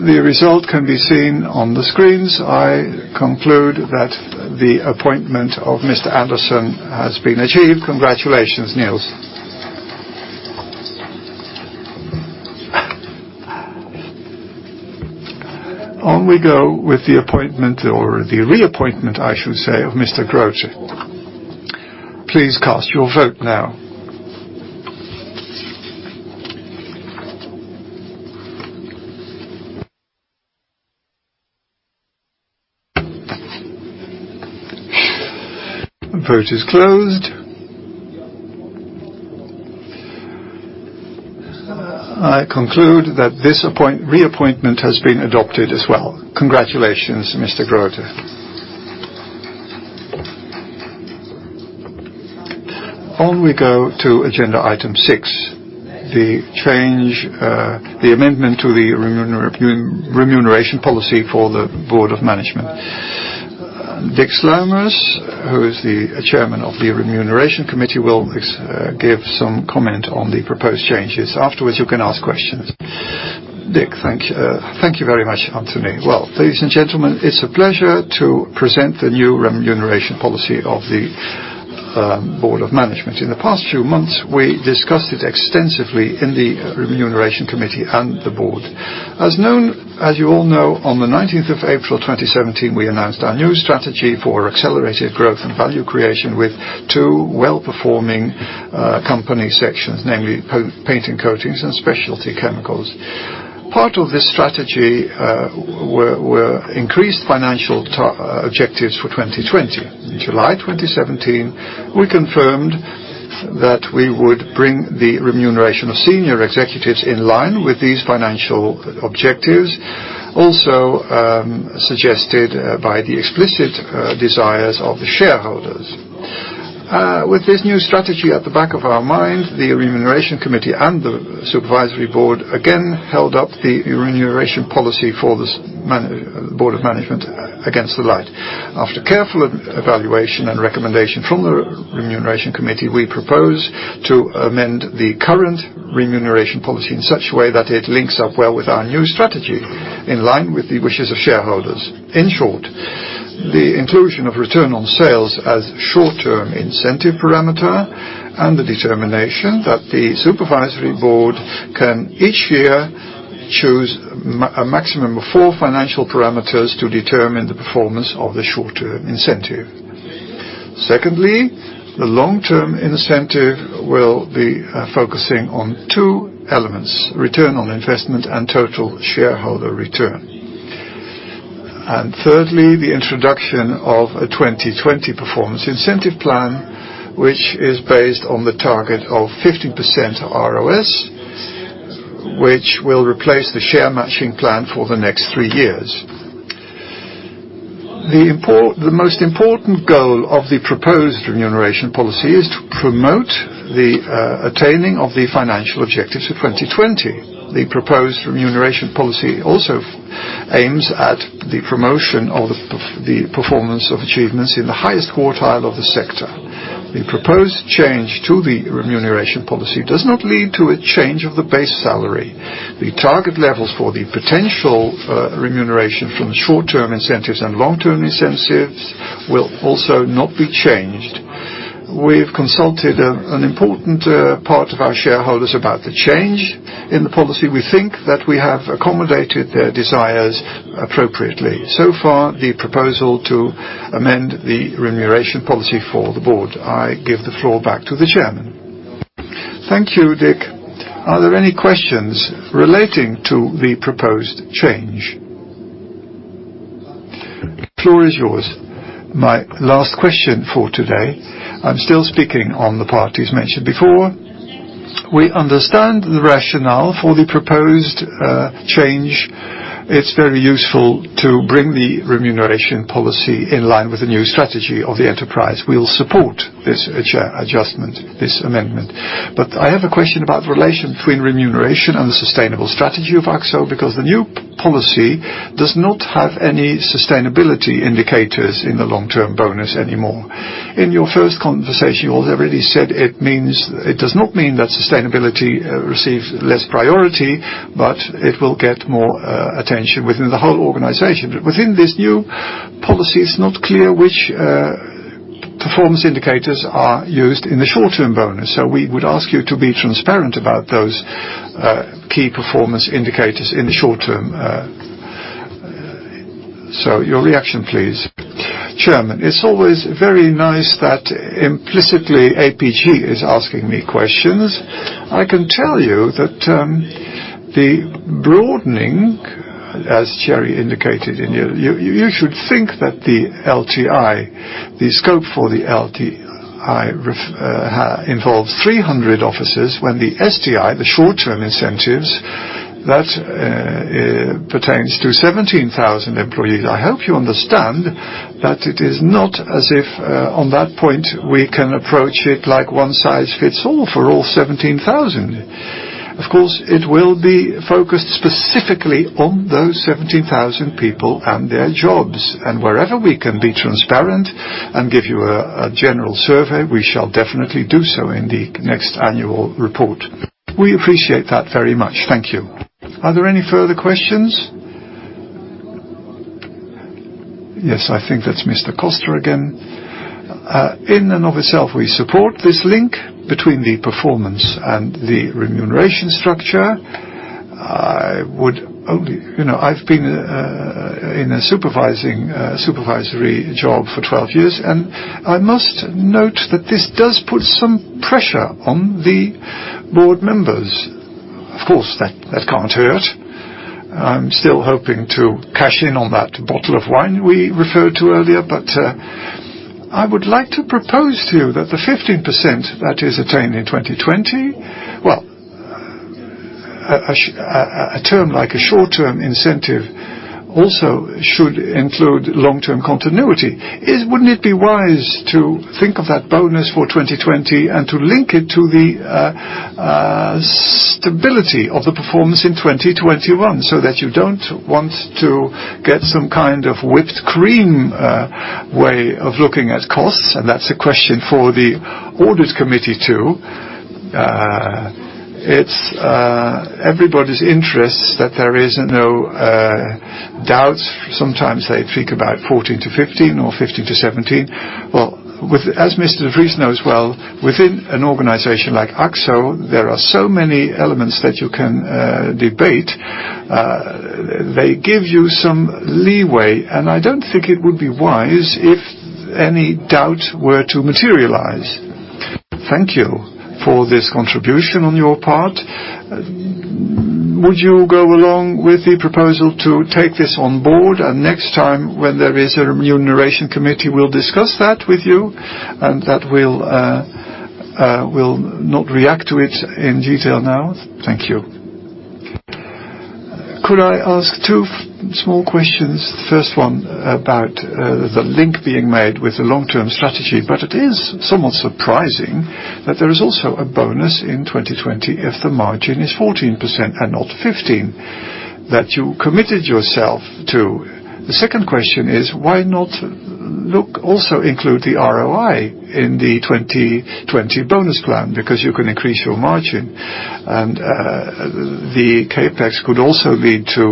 The result can be seen on the screens. I conclude that the appointment of Mr. Andersen has been achieved. Congratulations, Nils. On we go with the appointment, or the reappointment, I should say, of Mr. Grote. Please cast your vote now. The vote is closed. I conclude that this reappointment has been adopted as well. Congratulations, Mr. Grote. On we go to agenda item six, the amendment to the remuneration policy for the Board of Management. Dick Sluimers, who is the Chairman of the Remuneration Committee, will give some comment on the proposed changes. Afterwards, you can ask questions. Dick, thank you very much, Antony. Ladies and gentlemen, it is a pleasure to present the new remuneration policy of the Board of Management. In the past few months, we discussed it extensively in the Remuneration Committee and the Board. As you all know, on the 19th of April 2017, we announced our new strategy for accelerated growth and value creation with two well-performing company sections, namely paint and coatings and Specialty Chemicals. Part of this strategy were increased financial objectives for 2020. In July 2017, we confirmed that we would bring the remuneration of senior executives in line with these financial objectives, also suggested by the explicit desires of the shareholders. With this new strategy at the back of our mind, the Remuneration Committee and the Supervisory Board again held up the remuneration policy for the Board of Management against the light. After careful evaluation and recommendation from the Remuneration Committee, we propose to amend the current remuneration policy in such a way that it links up well with our new strategy, in line with the wishes of shareholders. In short, the inclusion of Return on Sales as short-term incentive parameter and the determination that the Supervisory Board can each year choose a maximum of four financial parameters to determine the performance of the short-term incentive. Secondly, the long-term incentive will be focusing on two elements, Return on Investment and total shareholder return. Thirdly, the introduction of a 2020 Performance Incentive Plan, which is based on the target of 15% ROS, which will replace the share matching plan for the next three years. The most important goal of the proposed remuneration policy is to promote the attaining of the financial objectives for 2020. The proposed remuneration policy also aims at the promotion of the performance of achievements in the highest quartile of the sector. The proposed change to the remuneration policy does not lead to a change of the base salary. The target levels for the potential remuneration from short-term incentives and long-term incentives will also not be changed. We've consulted an important part of our shareholders about the change in the policy. We think that we have accommodated their desires appropriately. So far, the proposal to amend the remuneration policy for the board. I give the floor back to the Chairman. Thank you, Dick. Are there any questions relating to the proposed change? The floor is yours. My last question for today. I'm still speaking on the parties mentioned before. We understand the rationale for the proposed change. It's very useful to bring the remuneration policy in line with the new strategy of the enterprise. We will support this adjustment, this amendment. I have a question about the relation between remuneration and the sustainable strategy of Akzo, because the new policy does not have any sustainability indicators in the long-term bonus anymore. In your first conversation, you already said it does not mean that sustainability receives less priority, but it will get more attention within the whole organization. Within this new policy, it's not clear which performance indicators are used in the short-term bonus. We would ask you to be transparent about those Key Performance Indicators in the short term. Your reaction, please. Chairman, it's always very nice that implicitly APG is asking me questions. I can tell you that the broadening, as Thierry indicated, you should think that the LTI, the scope for the LTI involves 300 offices when the STI, the short-term incentives, that pertains to 17,000 employees. I hope you understand that it is not as if on that point we can approach it like one-size-fits-all for all 17,000. Of course, it will be focused specifically on those 17,000 people and their jobs. Wherever we can be transparent and give you a general survey, we shall definitely do so in the next annual report. We appreciate that very much. Thank you. Are there any further questions? Yes, I think that's Mr. Koster again. In and of itself, we support this link between the performance and the remuneration structure. I've been in a supervisory job for 12 years. I must note that this does put some pressure on the board members. Of course, that can't hurt. I'm still hoping to cash in on that bottle of wine we referred to earlier. I would like to propose to you that the 15% that is attained in 2020, well, a term like a short-term incentive also should include long-term continuity. Wouldn't it be wise to think of that bonus for 2020 and to link it to the stability of the performance in 2021, so that you don't want to get some kind of whipped cream way of looking at costs? That's a question for the audit committee, too. It's everybody's interest that there is no doubts. Sometimes they think about 14%-15% or 15%-17%. Well, as Mr. De Vries knows well, within an organization like Akzo, there are so many elements that you can debate. They give you some leeway, and I don't think it would be wise if any doubt were to materialize. Thank you for this contribution on your part. Would you go along with the proposal to take this on board, and next time, when there is a remuneration committee, we'll discuss that with you, and that we'll not react to it in detail now? Thank you. Could I ask two small questions? First one about the link being made with the long-term strategy, but it is somewhat surprising that there is also a bonus in 2020 if the margin is 14% and not 15% that you committed yourself to. The second question is why not look also include the ROI in the 2020 bonus plan? You can increase your margin, and the CapEx could also lead to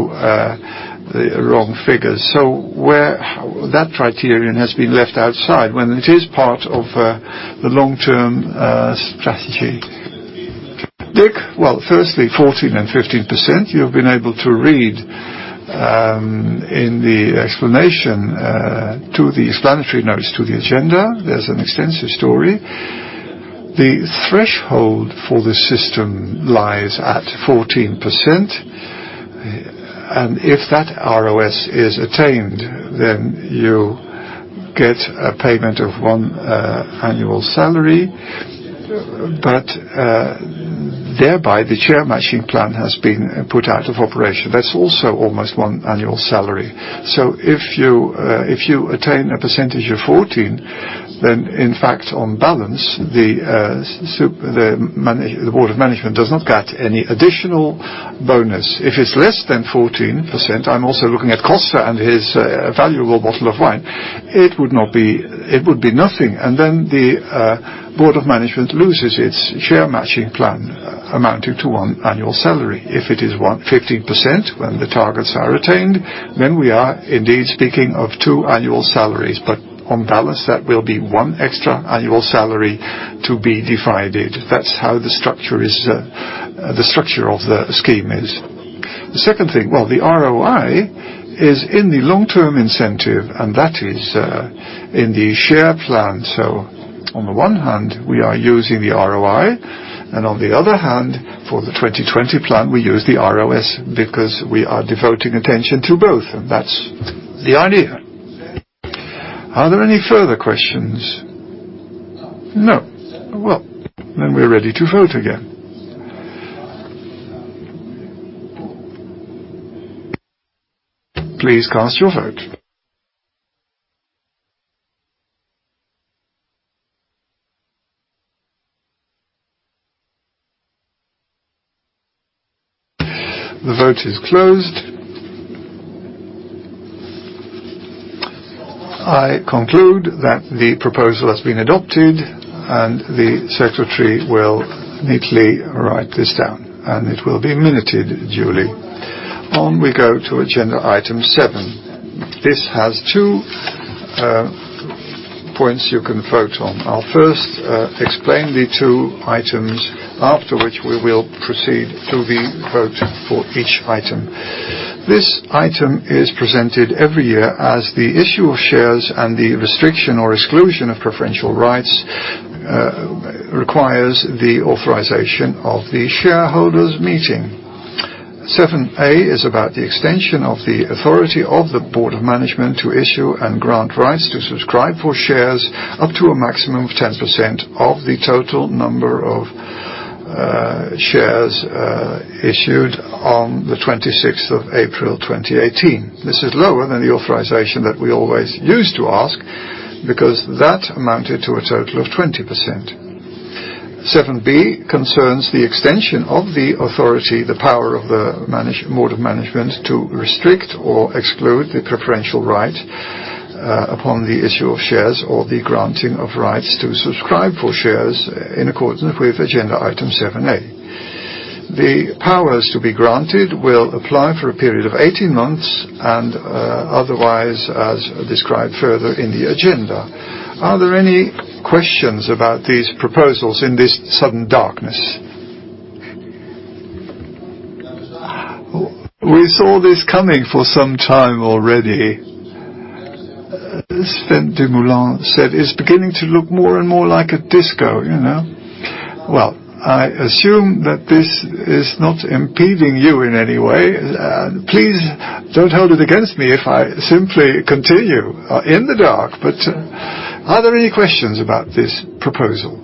the wrong figures. That criterion has been left outside when it is part of the long-term strategy. Dick? Well, firstly, 14% and 15%, you've been able to read in the explanation to the explanatory notes to the agenda. There's an extensive story. The threshold for the system lies at 14%, and if that ROS is attained, then you get a payment of one annual salary, but thereby, the share matching plan has been put out of operation. That's also almost one annual salary. If you attain a percentage of 14%, then in fact, on balance, the board of management does not get any additional bonus. If it's less than 14%, I'm also looking at Koster and his valuable bottle of wine, it would be nothing. The board of management loses its share matching plan amounting to one annual salary. If it is 150% when the targets are attained, then we are indeed speaking of two annual salaries. On balance, that will be one extra annual salary to be divided. That's how the structure of the scheme is. The second thing, well, the ROI is in the long-term incentive, and that is in the share plan. On the one hand, we are using the ROI, and on the other hand, for the 2020 plan, we use the ROS because we are devoting attention to both, and that's the idea. Are there any further questions? No. Well, we're ready to vote again. Please cast your vote. The vote is closed. I conclude that the proposal has been adopted, the secretary will neatly write this down, and it will be minuted duly. We go to agenda item seven. This has two points you can vote on. I'll first explain the two items, after which we will proceed to the vote for each item. This item is presented every year as the issue of shares and the restriction or exclusion of preferential rights requires the authorization of the Shareholders' Meeting. 7 is about the extension of the authority of the Board of Management to issue and grant rights to subscribe for shares up to a maximum of 10% of the total number of shares issued on the 26th of April 2018. This is lower than the authorization that we always used to ask because that amounted to a total of 20%. 7B concerns the extension of the authority, the power of the Board of Management to restrict or exclude the preferential right upon the issue of shares or the granting of rights to subscribe for shares in accordance with agenda item 7A. The powers to be granted will apply for a period of 18 months and otherwise as described further in the agenda. Are there any questions about these proposals in this sudden darkness? We saw this coming for some time already. Sven Dumoulin said, "It's beginning to look more and more like a disco." Well, I assume that this is not impeding you in any way. Please don't hold it against me if I simply continue in the dark. Are there any questions about this proposal?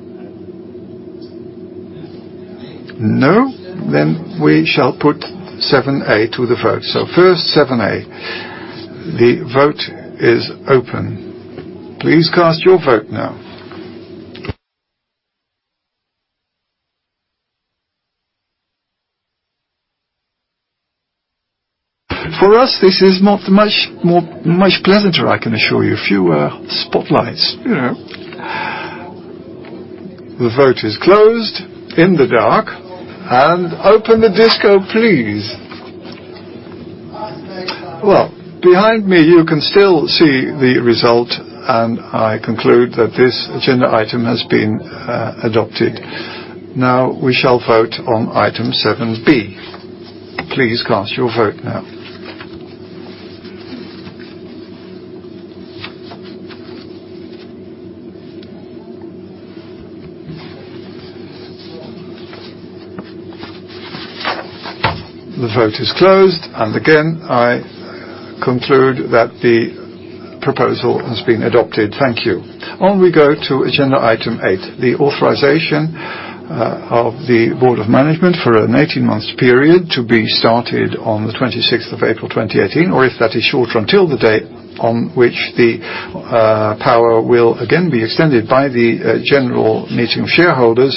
No? We shall put 7A to the vote. First, 7A. The vote is open. Please cast your vote now. For us, this is much pleasanter, I can assure you. Fewer spotlights. The vote is closed in the dark. Open the disco, please. Well, behind me, you can still see the result, and I conclude that this agenda item has been adopted. Now, we shall vote on item 7B. Please cast your vote now. The vote is closed. Again, I conclude that the proposal has been adopted. Thank you. We go to agenda item 8, the authorization of the Board of Management for an 18-month period to be started on the 26th of April 2018, or if that is shorter, until the date on which the power will again be extended by the General Meeting of Shareholders.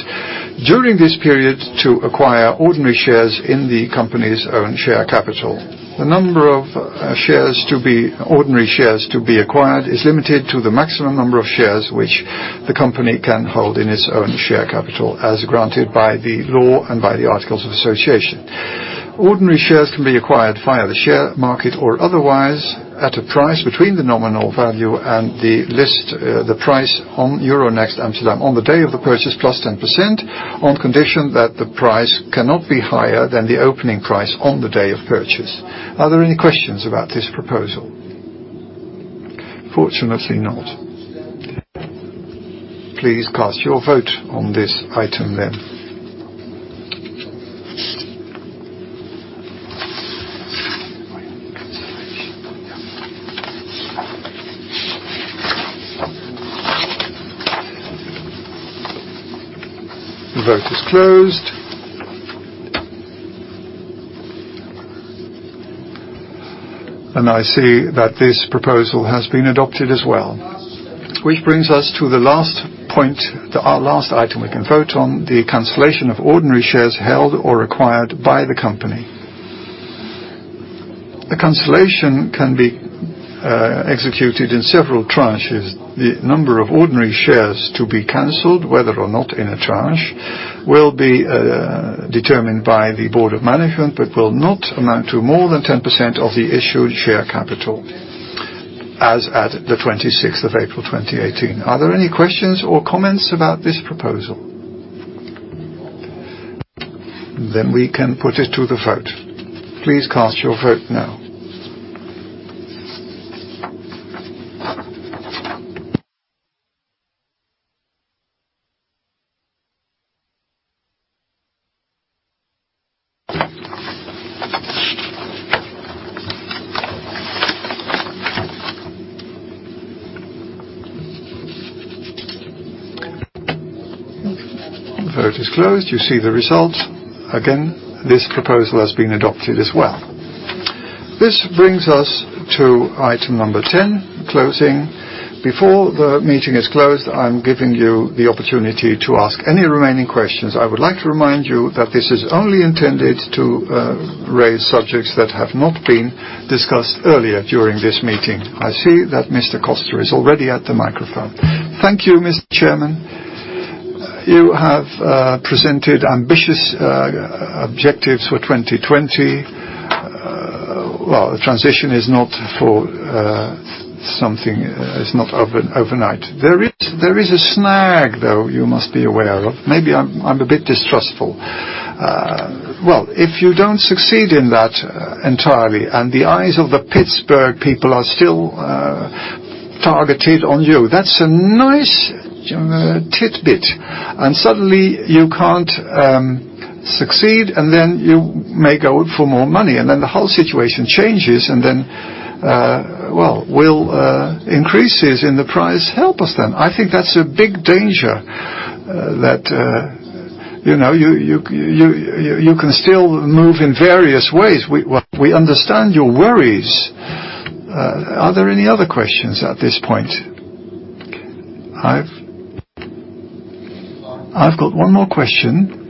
During this period to acquire ordinary shares in the company's own share capital. The number of ordinary shares to be acquired is limited to the maximum number of shares which the company can hold in its own share capital as granted by the law and by the articles of association. Ordinary shares can be acquired via the share market or otherwise at a price between the nominal value and the price on Euronext Amsterdam on the day of the purchase plus 10%, on condition that the price cannot be higher than the opening price on the day of purchase. Are there any questions about this proposal? Fortunately not. Please cast your vote on this item, then. The vote is closed. I see that this proposal has been adopted as well. Which brings us to the last point, our last item we can vote on, the cancellation of ordinary shares held or acquired by the company. A cancellation can be executed in several tranches. The number of ordinary shares to be canceled, whether or not in a tranche, will be determined by the Board of Management but will not amount to more than 10% of the issued share capital as at the 26th of April 2018. Are there any questions or comments about this proposal? We can put it to the vote. Please cast your vote now. The vote is closed. You see the result. Again, this proposal has been adopted as well. This brings us to item number 10, closing. Before the meeting is closed, I'm giving you the opportunity to ask any remaining questions. I would like to remind you that this is only intended to raise subjects that have not been discussed earlier during this meeting. I see that Mr. Koster is already at the microphone. Thank you, Mr. Chairman. You have presented ambitious objectives for 2020. Well, the transition is not overnight. There is a snag, though, you must be aware of. Maybe I'm a bit distrustful. Well, if you don't succeed in that entirely, and the eyes of the Pittsburgh people are still targeted on you, that's a nice titbit. Suddenly you can't succeed, and then you may go for more money, and then the whole situation changes, and then, well, will increases in the price help us then? I think that's a big danger, that you can still move in various ways. We understand your worries. Are there any other questions at this point? I've got one more question.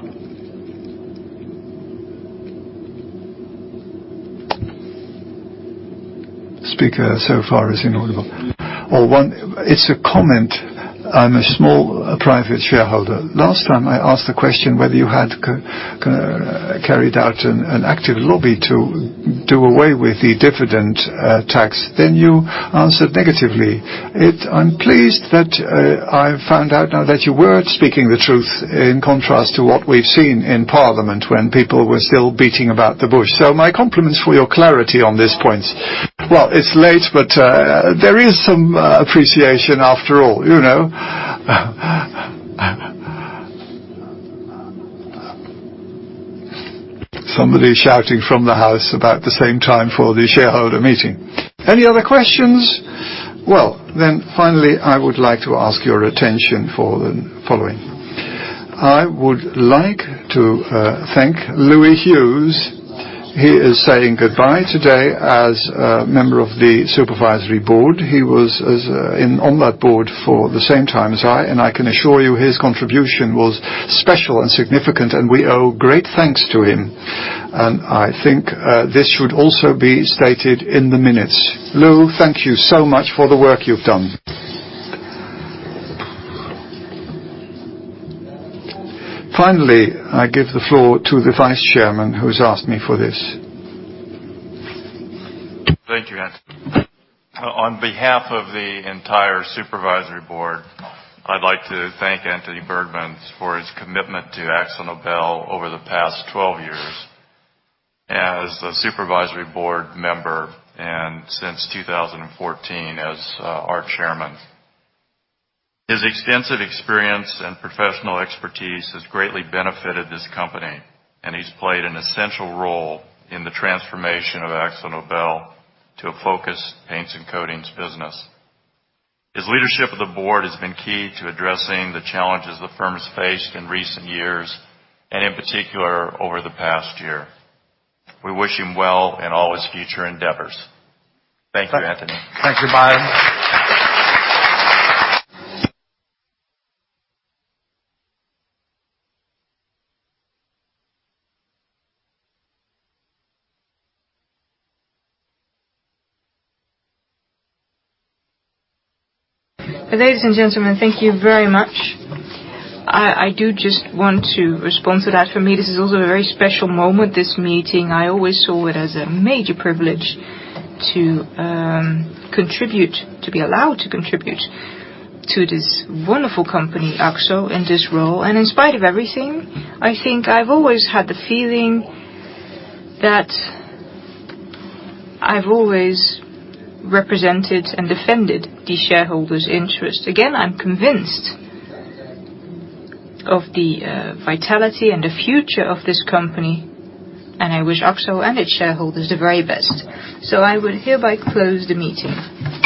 It's a comment. I'm a small private shareholder. Last time I asked the question whether you had carried out an active lobby to do away with the dividend tax, then you answered negatively. I'm pleased that I've found out now that you were speaking the truth, in contrast to what we've seen in Parliament when people were still beating about the bush. My compliments for your clarity on this point. Well, it's late, but there is some appreciation after all. Somebody shouting from the house about the same time for the shareholder meeting. Any other questions? Well, finally, I would like to ask your attention for the following. I would like to thank Louis Hughes. He is saying goodbye today as a member of the Supervisory Board. He was on that board for the same time as I, and I can assure you his contribution was special and significant, and we owe great thanks to him. I think this should also be stated in the minutes. Lou, thank you so much for the work you've done. Finally, I give the floor to the Vice Chairman who's asked me for this. Thank you, Antony. On behalf of the entire Supervisory Board, I'd like to thank Antony Burgmans for his commitment to Akzo Nobel over the past 12 years as a Supervisory Board member, and since 2014 as our Chairman. His extensive experience and professional expertise has greatly benefited this company, and he's played an essential role in the transformation of Akzo Nobel to a focus paints and coatings business. His leadership of the Board has been key to addressing the challenges the firm has faced in recent years, and in particular, over the past year. We wish him well in all his future endeavors. Thank you, Antony. Thank you, Byron. Ladies and gentlemen, thank you very much. I do just want to respond to that. For me, this is also a very special moment, this meeting. I always saw it as a major privilege to be allowed to contribute to this wonderful company, Akzo, in this role. In spite of everything, I think I've always had the feeling that I've always represented and defended the shareholders' interest. Again, I'm convinced of the vitality and the future of this company, and I wish Akzo and its shareholders the very best. I will hereby close the meeting.